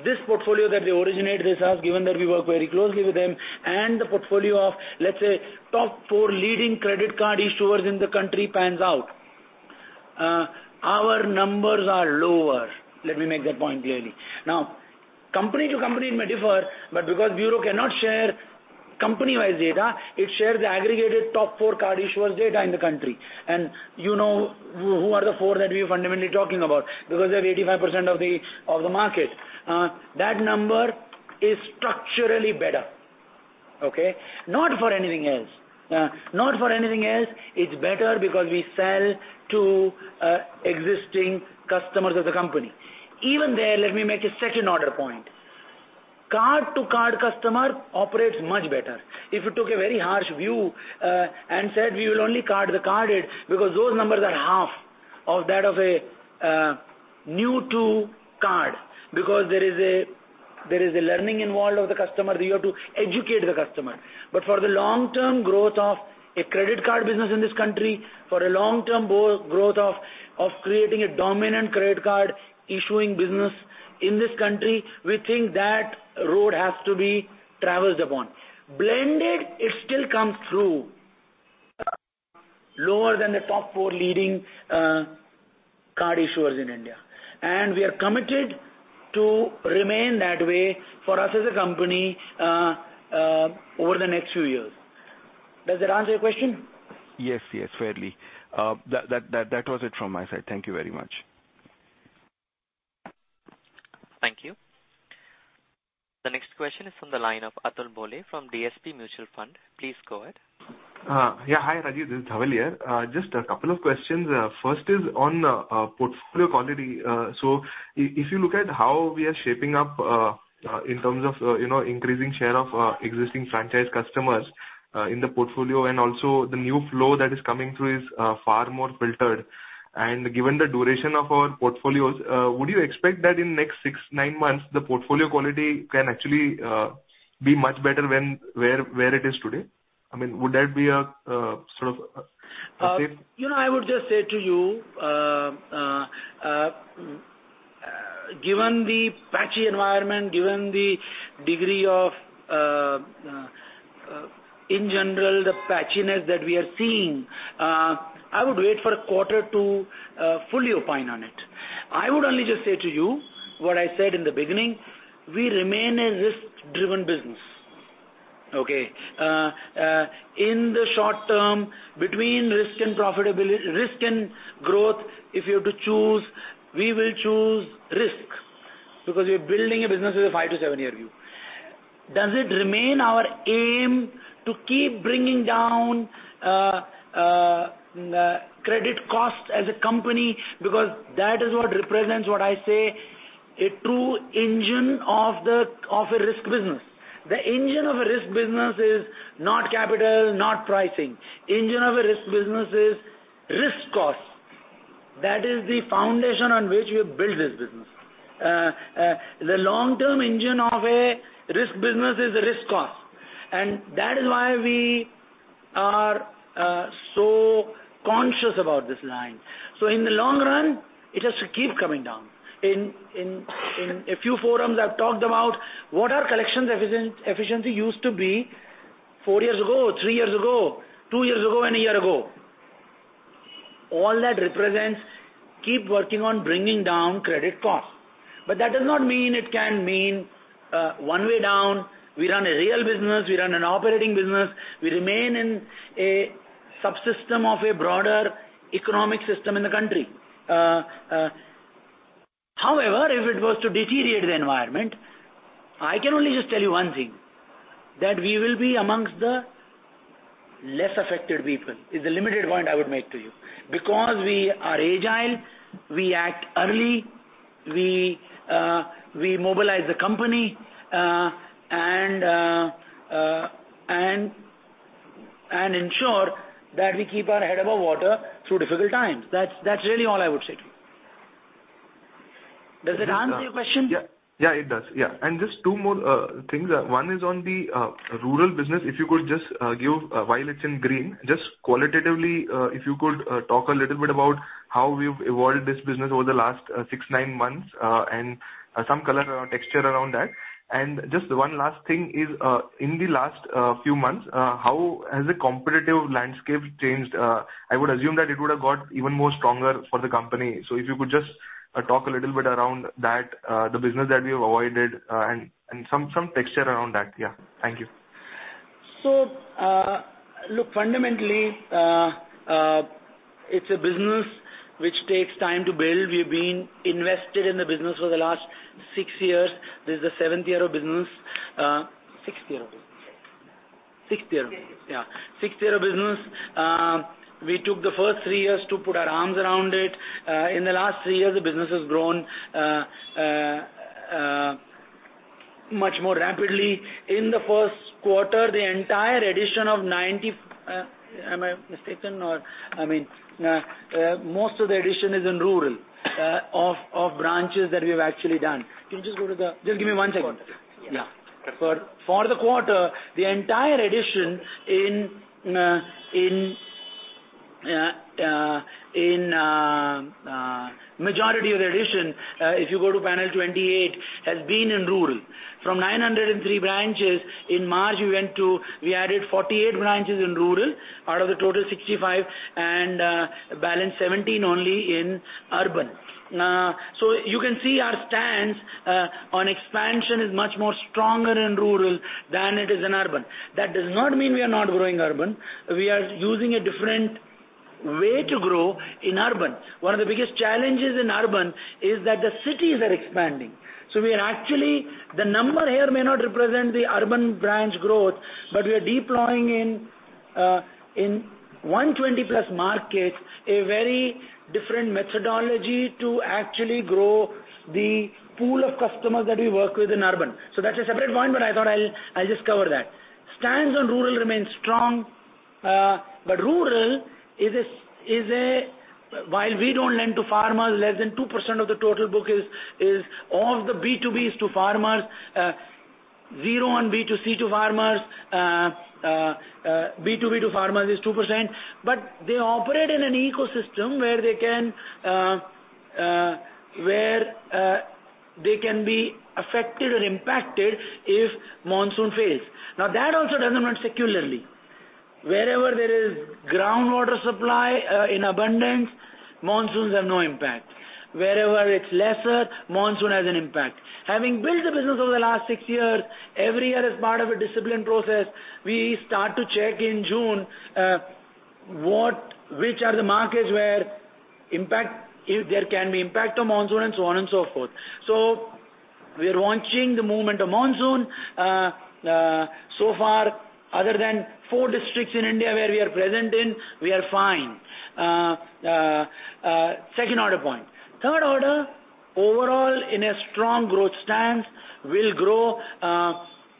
this portfolio that they originate with us, given that we work very closely with them, and the portfolio of, let's say, top four leading credit card issuers in the country pans out. Our numbers are lower. Let me make that point clearly. Company to company it may differ, but because Bureau cannot share company-wide data, it shares the aggregated top four card issuers data in the country. You know who are the four that we are fundamentally talking about because they have 85% of the market. That number is structurally better. Okay. Not for anything else. It's better because we sell to existing customers of the company. Even there, let me make a second order point. Card-to-card customer operates much better. If you took a very harsh view and said we will only card the carded, because those numbers are half of that of a new-to-card because there is a learning involved of the customer. You have to educate the customer. For the long-term growth of a credit card business in this country, for a long-term growth of creating a dominant credit card issuing business in this country. We think that road has to be traversed upon. Blended, it still comes through lower than the top four leading card issuers in India. We are committed to remain that way for us as a company over the next few years. Does that answer your question? Yes. Fairly. That was it from my side. Thank you very much. Thank you. The next question is from the line of Atul Bhole from DSP Mutual Fund. Please go ahead. Yeah. Hi, Rajeev. This is Bhole here. Just a couple of questions. First is on portfolio quality. If you look at how we are shaping up in terms of increasing share of existing franchise customers in the portfolio and also the new flow that is coming through is far more filtered. Given the duration of our portfolios, would you expect that in the next six, nine months, the portfolio quality can actually be much better than where it is today? Would that be a sort of a safe. I would just say to you, given the patchy environment, given the degree of, in general, the patchiness that we are seeing, I would wait for a quarter to fully opine on it. I would only just say to you what I said in the beginning, we remain a risk-driven business. Okay? In the short term, between risk and growth, if you have to choose, we will choose risk because we're building a business with a five to seven year view. Does it remain our aim to keep bringing down credit costs as a company? Because that is what represents what I say, a true engine of a risk business. The engine of a risk business is not capital, not pricing. Engine of a risk business is risk cost. That is the foundation on which we have built this business. The long-term engine of a risk business is the risk cost, and that is why we are so conscious about this line. In the long run, it has to keep coming down. In a few forums, I've talked about what our collections efficiency used to be four years ago, three years ago, two years ago, and a year ago. All that represents keep working on bringing down credit cost. That does not mean it can mean one way down. We run a real business. We run an operating business. We remain in a subsystem of a broader economic system in the country. However, if it was to deteriorate the environment, I can only just tell you one thing, that we will be amongst the less affected people, is the limited point I would make to you. We are agile, we act early, we mobilize the company, and ensure that we keep our head above water through difficult times. That is really all I would say to you. Does it answer your question? It does. Just two more things. One is on the rural business. If you could just give, while it's in green, just qualitatively, if you could talk a little bit about how we've evolved this business over the last six, nine months, and some color or texture around that. Just one last thing is, in the last few months, how has the competitive landscape changed? I would assume that it would have got even more stronger for the company. If you could just talk a little bit around that, the business that we've evolved, and some texture around that. Thank you. Look, fundamentally, it's a business which takes time to build. We've been invested in the business for the last six years. This is the seventh year of business. Sixth year of business? Yes. Sixth year of business. We took the first three years to put our arms around it. In the last three years, the business has grown much more rapidly. In the first quarter, the entire addition of 90, am I mistaken? Most of the addition is in rural of branches that we've actually done. Can you just go to the. Just give me one second. Yes. For the quarter, the entire addition, majority of the addition, if you go to panel 28, has been in rural. From 903 branches in March, we added 48 branches in rural out of the total 65, and balance 17 only in urban. You can see our stance on expansion is much more stronger in rural than it is in urban. That does not mean we are not growing urban. We are using a different way to grow in urban. One of the biggest challenges in urban is that the cities are expanding. We are actually, the number here may not represent the urban branch growth, but we are deploying in 120+ markets. A very different methodology to actually grow the pool of customers that we work with in urban. That's a separate point, but I thought I'll just cover that. Stance on rural remains strong. Rural, while we don't lend to farmers, less than 2% of the total book is all of the B2Bs to farmers, zero on B2C to farmers. B2B to farmers is 2%. They operate in an ecosystem where they can be affected or impacted if monsoon fails. Now, that also doesn't work secularly. Wherever there is groundwater supply in abundance, monsoons have no impact. Wherever it's lesser, monsoon has an impact. Having built the business over the last six years, every year as part of a disciplined process, we start to check in June which are the markets where there can be impact of monsoon and so on and so forth. So we are watching the movement of monsoon. So far, other than four districts in India where we are present in, we are fine. Second order point. Third order, overall in a strong growth stance will grow.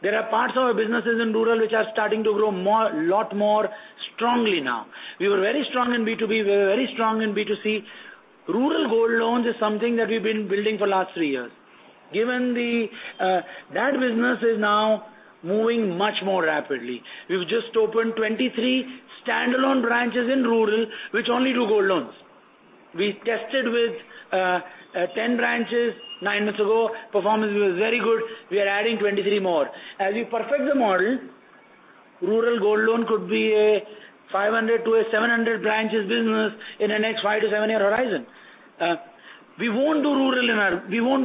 There are parts of our businesses in rural which are starting to grow lot more strongly now. We were very strong in B2B, we were very strong in B2C. Rural gold loans is something that we've been building for last three years. That business is now moving much more rapidly. We've just opened 23 standalone branches in rural which only do gold loans. We tested with 10 branches nine months ago. Performance was very good. We are adding 23 more. As we perfect the model, rural gold loan could be a 500 to a 700 branches business in the next five to seven-year horizon. We won't do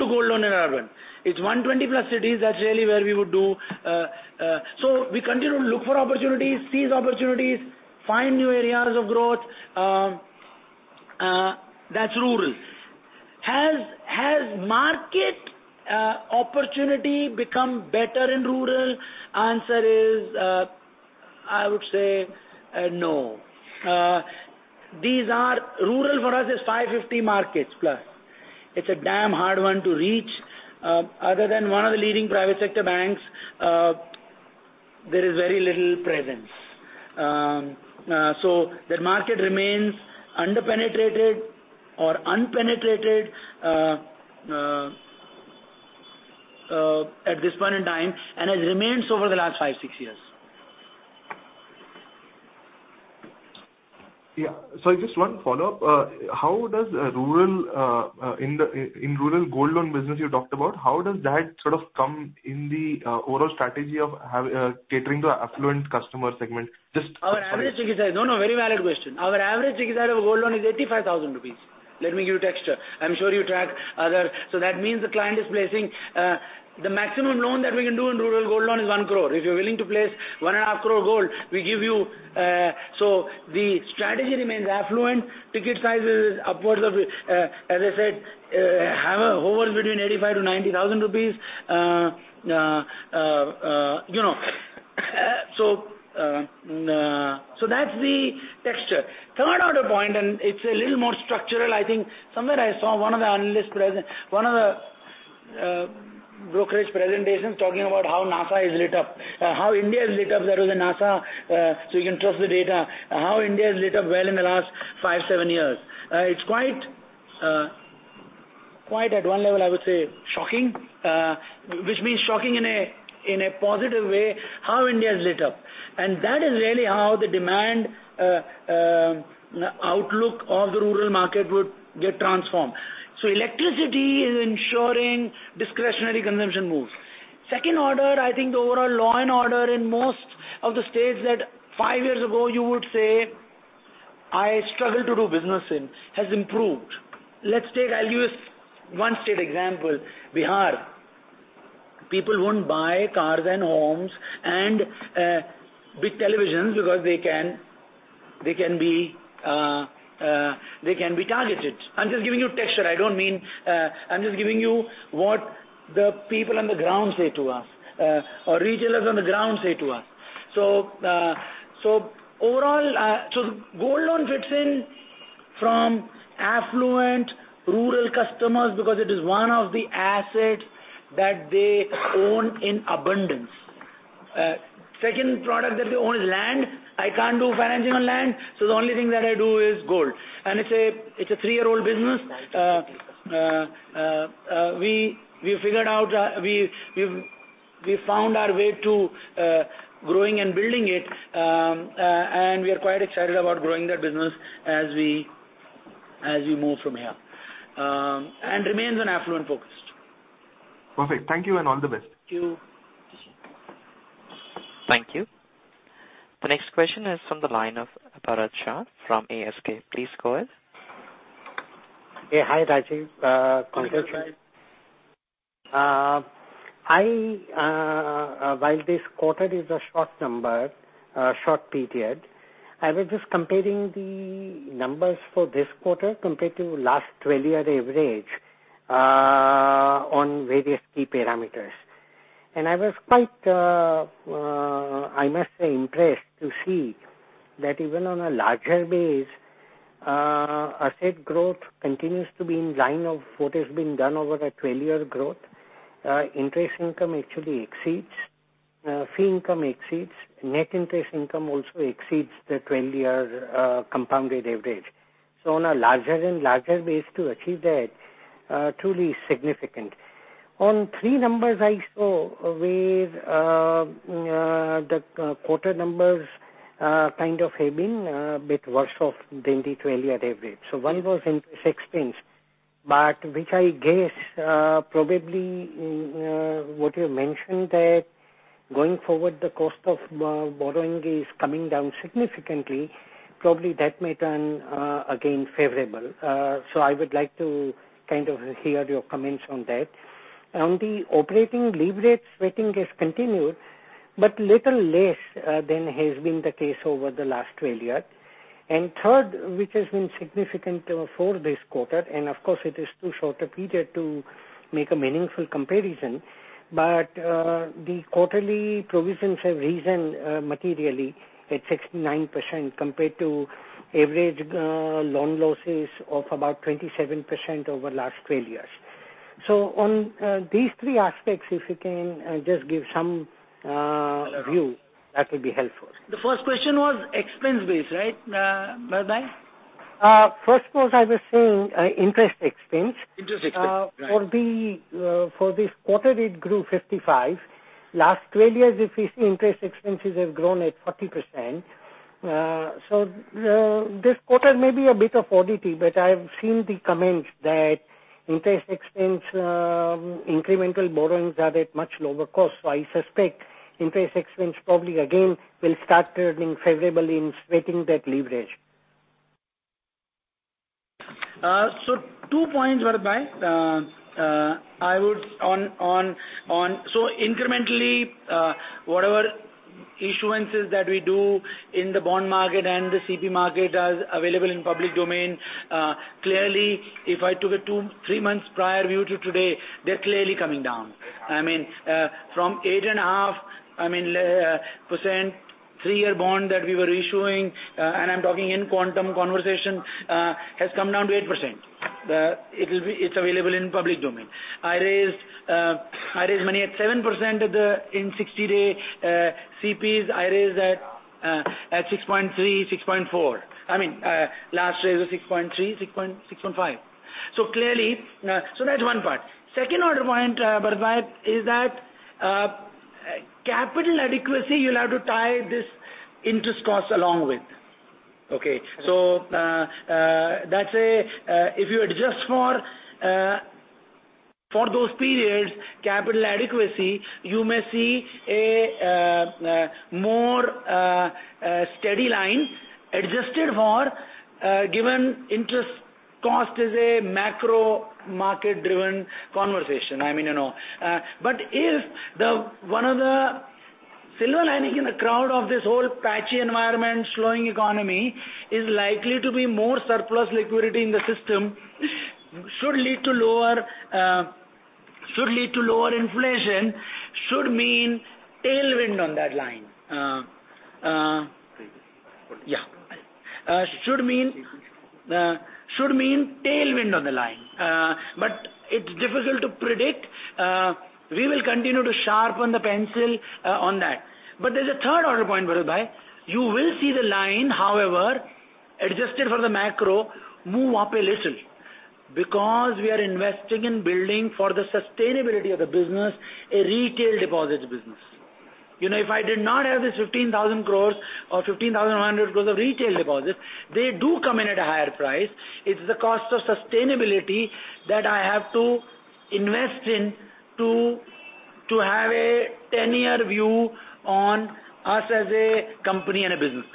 gold loan in urban. It's 120+ cities, that's really where we would do. We continue to look for opportunities, seize opportunities, find new areas of growth. That's rural. Has market opportunity become better in rural? Answer is, I would say no. Rural for us is 550 markets plus. It's a damn hard one to reach. Other than one of the leading private sector banks, there is very little presence. That market remains under-penetrated or unpenetrated at this point in time, and has remained so over the last five, six years. Yeah. Sorry, just one follow-up. In rural gold loan business you talked about, how does that sort of come in the overall strategy of catering to affluent customer segment? Our average ticket size. Very valid question. Our average ticket size of a gold loan is 85,000 rupees. Let me give you texture. I'm sure you track other. That means the client is placing the maximum loan that we can do in rural gold loan is 1 crore. If you're willing to place one and a half crore gold, we give you. The strategy remains affluent. Ticket size is upwards of, as I said, hover between 85,000-90,000 rupees. So that's the texture. Third order point, it's a little more structural, I think. Somewhere I saw one of the brokerage presentations talking about how NASA is lit up, how India is lit up. That was in NASA, you can trust the data. How India is lit up well in the last five, seven years. It's quite at one level, I would say shocking. Which means shocking in a positive way, how India is lit up. That is really how the demand outlook of the rural market would get transformed. Electricity is ensuring discretionary consumption moves. Second order, I think the overall law and order in most of the states that five years ago you would say, I struggle to do business in, has improved. I'll use one state example, Bhole. People won't buy cars and homes and big televisions because they can be targeted. I'm just giving you texture. I'm just giving you what the people on the ground say to us, or retailers on the ground say to us. Gold loan fits in from affluent rural customers because it is one of the assets that they own in abundance. Second product that they own is land. I can't do financing on land, the only thing that I do is gold. It's a three-year-old business. We found our way to growing and building it, we are quite excited about growing that business as we move from here. It remains on affluent-focused. Perfect. Thank you, and all the best. Thank you. Thank you. The next question is from the line of Bharat Shah from ASK. Please go ahead. Hey. Hi, Rajeev. Congratulations. While this quarter is a short period, I was just comparing the numbers for this quarter compared to last 12-year average on various key parameters. I was quite, I must say, impressed to see that even on a larger base, asset growth continues to be in line of what has been done over a 12-year growth. Interest income actually exceeds. Fee income exceeds. Net interest income also exceeds the 12-year compounded average. On a larger and larger base to achieve that, truly significant. On three numbers I saw where the quarter numbers kind of have been a bit worse off than the 12-year average. One was interest expense, but which I guess probably what you mentioned that going forward, the cost of borrowing is coming down significantly. Probably that may turn again favorable. I would like to kind of hear your comments on that. On the operating leverage has continued, but little less than has been the case over the last 12 years. Third, which has been significant for this quarter. Of course it is too short a period to make a meaningful comparison, but the quarterly provisions have risen materially at 69% compared to average loan losses of about 27% over last 12 years. On these three aspects, if you can just give some view, that will be helpful. The first question was expense base, right? Bharat? First was, I was saying interest expense. Interest expense. Right. For this quarter, it grew 55%. Last 12 years, if you see, interest expenses have grown at 40%. This quarter may be a bit of oddity, but I've seen the comments that interest expense incremental borrowings are at much lower cost. I suspect interest expense probably again will start turning favorably in sweating that leverage. Two points, Bharat. Incrementally, whatever issuances that we do in the bond market and the CP market are available in public domain. Clearly, if I took a two, three months prior view to today, they're clearly coming down. From 8.5%, three-year bond that we were issuing, and I'm talking in quantum conversation, has come down to 8%. It's available in public domain. I raised money at 7% in 60-day CPs, I raised at 6.3%, 6.4%. Last raise was 6.3%, 6.5%. That's one part. Second order point, Bharat, is that capital adequacy, you'll have to tie this interest cost along with, okay? That's a, if you adjust for those periods, capital adequacy, you may see a more steady line adjusted for given interest cost is a macro market-driven conversation. If one of the silver lining in the cloud of this whole patchy environment, slowing economy, is likely to be more surplus liquidity in the system, should lead to lower inflation, should mean tailwind on that line. Previous. Yeah. Should mean tailwind on the line. It's difficult to predict. We will continue to sharpen the pencil on that. There's a third order point, Bharat. You will see the line, however, adjusted for the macro, move up a little, because we are investing in building for the sustainability of the business, a retail deposits business. If I did not have this 15,000 crore or 15,100 crore of retail deposits, they do come in at a higher price. It's the cost of sustainability that I have to invest in to have a 10-year view on us as a company and a business.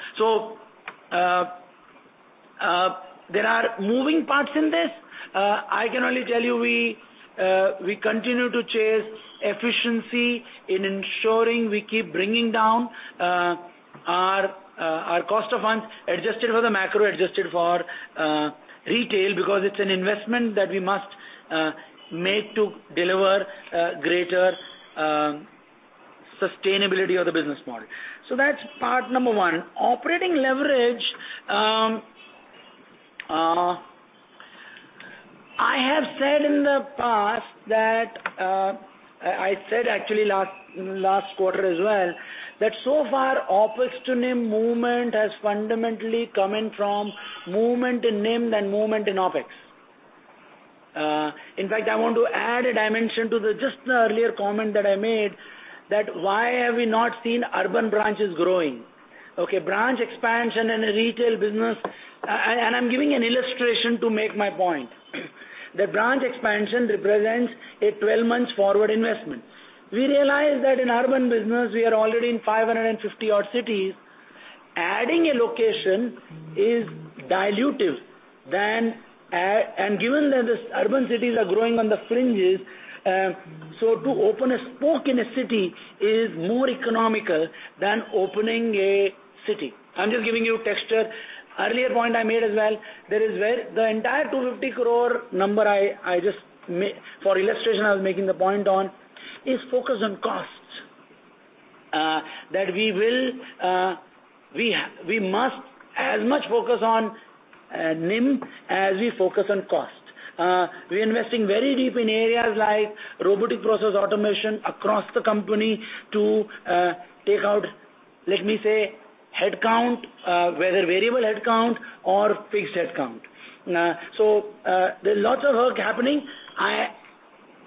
There are moving parts in this. I can only tell you, we continue to chase efficiency in ensuring we keep bringing down our cost of funds adjusted for the macro, adjusted for retail, because it's an investment that we must make to deliver greater sustainability of the business model. That's part number one. Operating leverage, I have said in the past, I said actually last quarter as well, that so far OpEx to NII movement has fundamentally come in from movement in NIM than movement in OpEx. In fact, I want to add a dimension to just the earlier comment that I made that why have we not seen urban branches growing? Okay, branch expansion in a retail business, and I'm giving an illustration to make my point, the branch expansion represents a 12-month forward investment. We realize that in urban business, we are already in 550 odd cities. Adding a location is dilutive. Given that these urban cities are growing on the fringes, to open a spoke in a city is more economical than opening a city. I'm just giving you texture. Earlier point I made as well, that is where the entire 250 crore number for illustration I was making the point on, is focused on costs. We must as much focus on NIM as we focus on cost. We're investing very deep in areas like robotic process automation across the company to take out, let me say, headcount, whether variable headcount or fixed headcount. There's lots of work happening.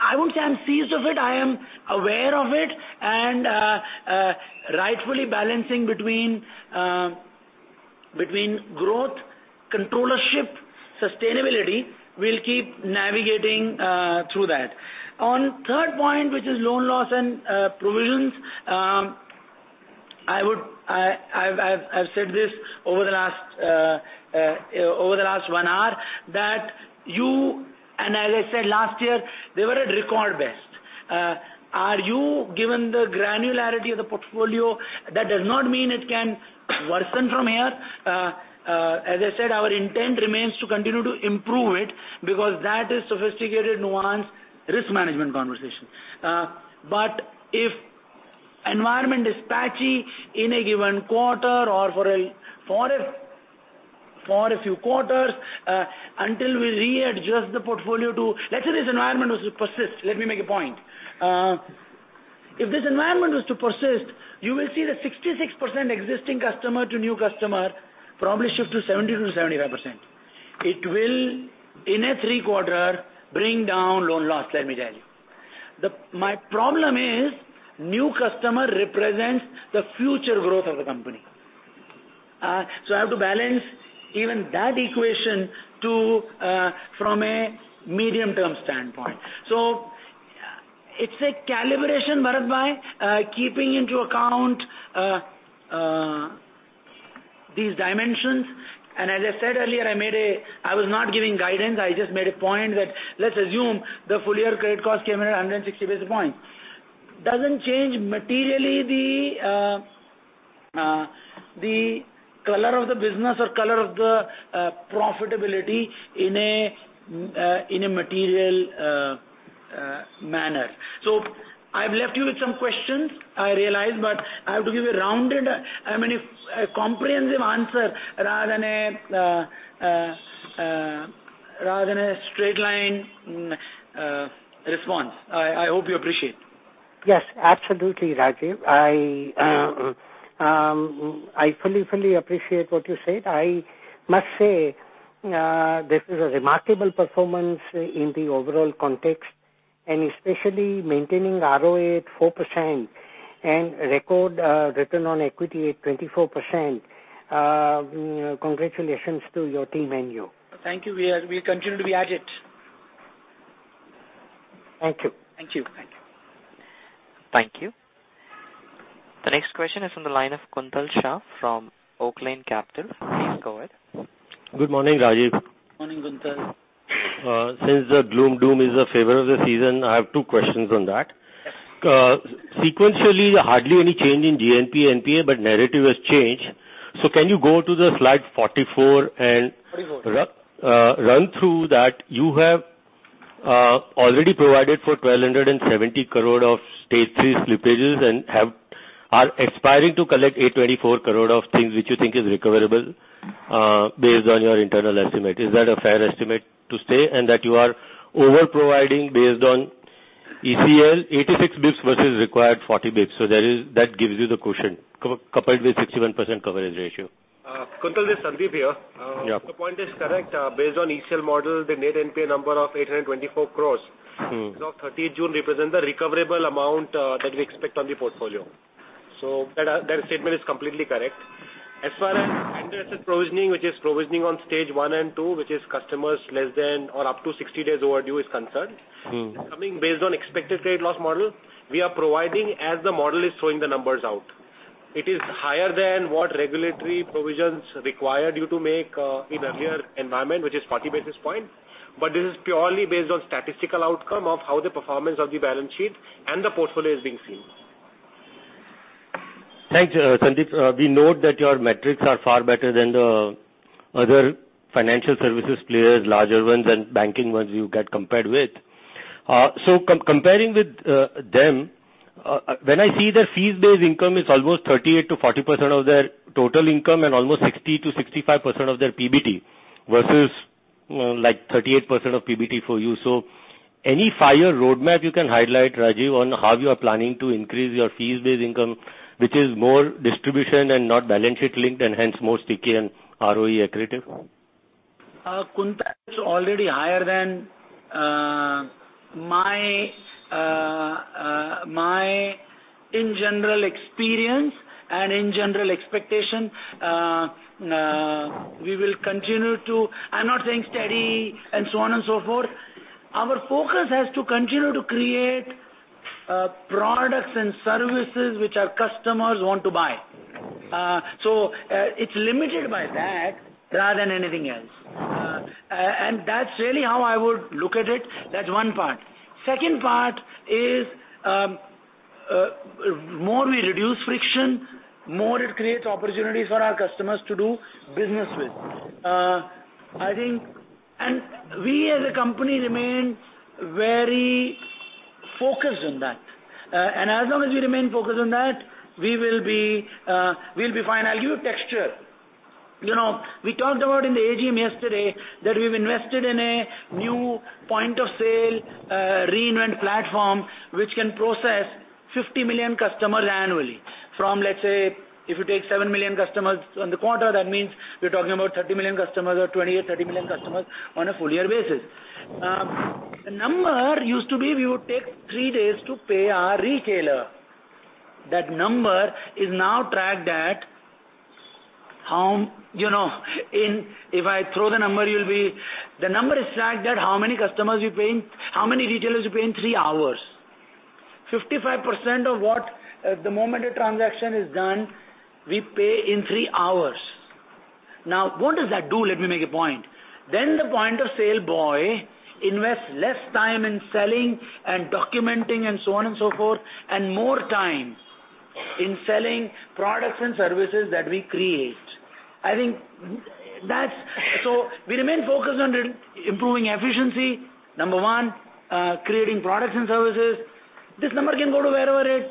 I won't say I'm seized of it. I am aware of it and rightfully balancing between growth, controllership, sustainability. We'll keep navigating through that. On third point, which is loan loss and provisions, I've said this over the last one hour, that you, and as I said last year, they were at record best. Given the granularity of the portfolio, that does not mean it can worsen from here. As I said, our intent remains to continue to improve it, because that is sophisticated nuanced risk management conversation. If environment is patchy in a given quarter or for a few quarters, until we readjust the portfolio to, let's say this environment was to persist, let me make a point. If this environment was to persist, you will see the 66% existing customer to new customer probably shift to 70%-75%. It will, in a three quarter, bring down loan loss, let me tell you. My problem is, new customer represents the future growth of the company. I have to balance even that equation from a medium-term standpoint. It's a calibration, Bharat, keeping into account these dimensions. As I said earlier, I was not giving guidance, I just made a point that let's assume the full year credit cost came in at 160 basis points. Doesn't change materially the color of the business or color of the profitability in a material manner. I've left you with some questions, I realize, but I have to give a rounded, comprehensive answer rather than a straight line response. I hope you appreciate. Yes, absolutely, Rajeev. I fully appreciate what you said. I must say, this is a remarkable performance in the overall context, and especially maintaining ROA at 4% and record return on equity at 24%. Congratulations to your team and you. Thank you. We continue to be at it. Thank you. Thank you. Thank you. Thank you. The next question is from the line of Kuntal Shah from Oaklane Capital. Please go ahead. Good morning, Rajeev. Morning, Kuntal. Since the gloom doom is the favor of the season, I have two questions on that. Yes. Sequentially, hardly any change in GNPA, NPA, but narrative has changed. Can you go to the slide 44. Slide 44. Run through that? You have already provided for 1,270 crore of stage three slippages and are aspiring to collect 824 crore of things which you think is recoverable based on your internal estimate. Is that a fair estimate to say? That you are over-providing based on ECL, 86 basis points versus required 40 basis points. That gives you the cushion, coupled with 61% coverage ratio. Kuntal, this is Sandeep here. Yeah. Your point is correct. Based on ECL model, the net NPA number of 824 crore as of 30th June represent the recoverable amount that we expect on the portfolio. That statement is completely correct. As far as understated provisioning, which is provisioning on stage one and two, which is customers less than or up to 60 days overdue is concerned. Coming based on expected credit loss model, we are providing as the model is showing the numbers out. It is higher than what regulatory provisions required you to make in earlier environment, which is 40 basis points. This is purely based on statistical outcome of how the performance of the balance sheet and the portfolio is being seen. Thanks, Sandeep. We note that your metrics are far better than the other financial services players, larger ones and banking ones you get compared with. Comparing with them, when I see their fees-based income is almost 38%-40% of their total income and almost 60%-65% of their PBT, versus 38% of PBT for you. Any fire roadmap you can highlight, Rajeev, on how you are planning to increase your fees-based income, which is more distribution and not balance sheet linked and hence more sticky and ROE accretive? Kuntal, it's already higher than my in general experience and in general expectation. I'm not saying steady and so on and so forth. Our focus has to continue to create products and services which our customers want to buy. It's limited by that rather than anything else. That's really how I would look at it. That's one part. Second part is, more we reduce friction, more it creates opportunities for our customers to do business with. We as a company remain very focused on that. As long as we remain focused on that, we'll be fine. I'll give you a texture. We talked about in the AGM yesterday that we've invested in a new point of sale reinvent platform, which can process 50 million customers annually. From let's say, if you take 7 million customers on the quarter, that means we're talking about 30 million customers or 28 million, 30 million customers on a full year basis. The number used to be we would take three days to pay our retailer. The number is tracked at how many retailers you pay in three hours. 55% of what, the moment a transaction is done, we pay in three hours. What does that do? Let me make a point. The point of sale boy invests less time in selling and documenting and so on and so forth, and more time in selling products and services that we create. We remain focused on improving efficiency, number one, creating products and services. This number can go to wherever it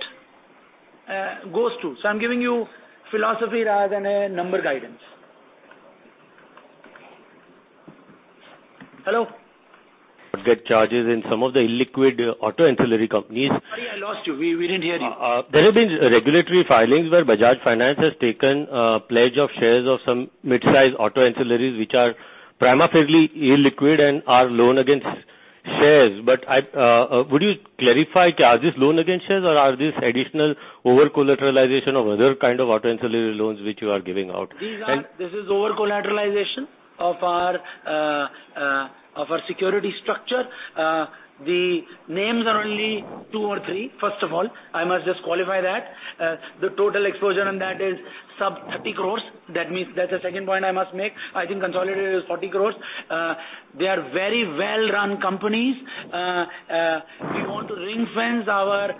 goes to. I'm giving you philosophy rather than a number guidance. Hello? Get charges in some of the illiquid auto ancillary companies. Sorry, I lost you. We didn't hear you. There have been regulatory filings where Bajaj Finance has taken a pledge of shares of some mid-size auto ancillaries, which are prima facie illiquid and are loan against shares. Would you clarify, are these loan against shares or are these additional over-collateralization of other kind of auto ancillary loans which you are giving out? This is over-collateralization of our security structure. The names are only two or three. First of all, I must just qualify that. The total exposure on that is some 30 crores. That's the second point I must make. I think consolidated is 40 crores. They are very well-run companies. We want to ring-fence our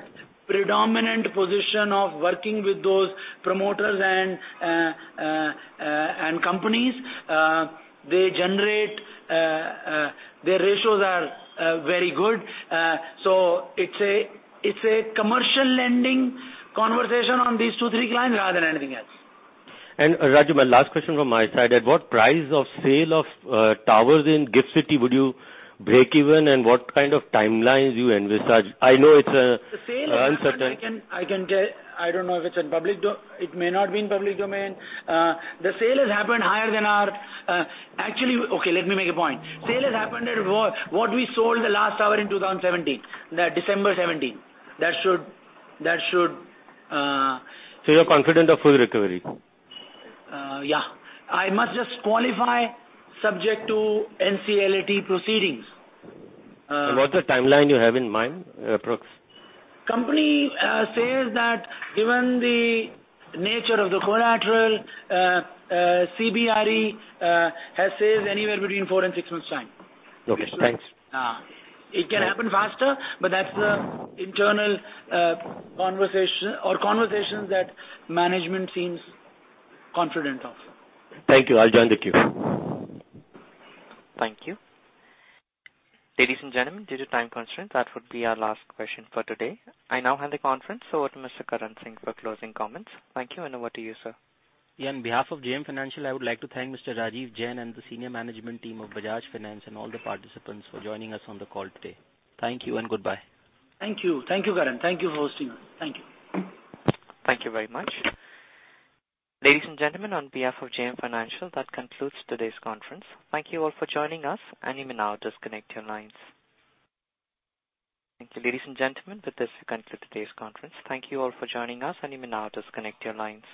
predominant position of working with those promoters and companies. Their ratios are very good. It's a commercial lending conversation on these two, three clients rather than anything else. Rajeev, my last question from my side. At what price of sale of towers in GIFT City would you break even, and what kind of timelines you envisage? I know it's uncertain. The sale I can tell, I don't know if it's in public. It may not be in public domain. Okay, let me make a point. Sale has happened at what we sold the last tower in 2017, December 2017. You're confident of full recovery? Yeah. I must just qualify subject to NCLAT proceedings. What's the timeline you have in mind, approx? Company says that given the nature of the collateral, CBRE says anywhere between four and six months' time. Okay, thanks. It can happen faster, but that's the internal conversations that management seems confident of. Thank you. I'll join the queue. Thank you. Ladies and gentlemen, due to time constraints, that would be our last question for today. I now hand the conference over to Mr. Karan Singh for closing comments. Thank you, and over to you, sir. Yeah, on behalf of JM Financial, I would like to thank Mr. Rajeev Jain and the senior management team of Bajaj Finance and all the participants for joining us on the call today. Thank you and goodbye. Thank you. Thank you, Karan. Thank you for hosting us. Thank you. Thank you very much. Ladies and gentlemen, on behalf of JM Financial, that concludes today's conference. Thank you all for joining us and you may now disconnect your lines. Thank you, ladies and gentlemen. With this, we conclude today's conference. Thank you all for joining us and you may now disconnect your lines.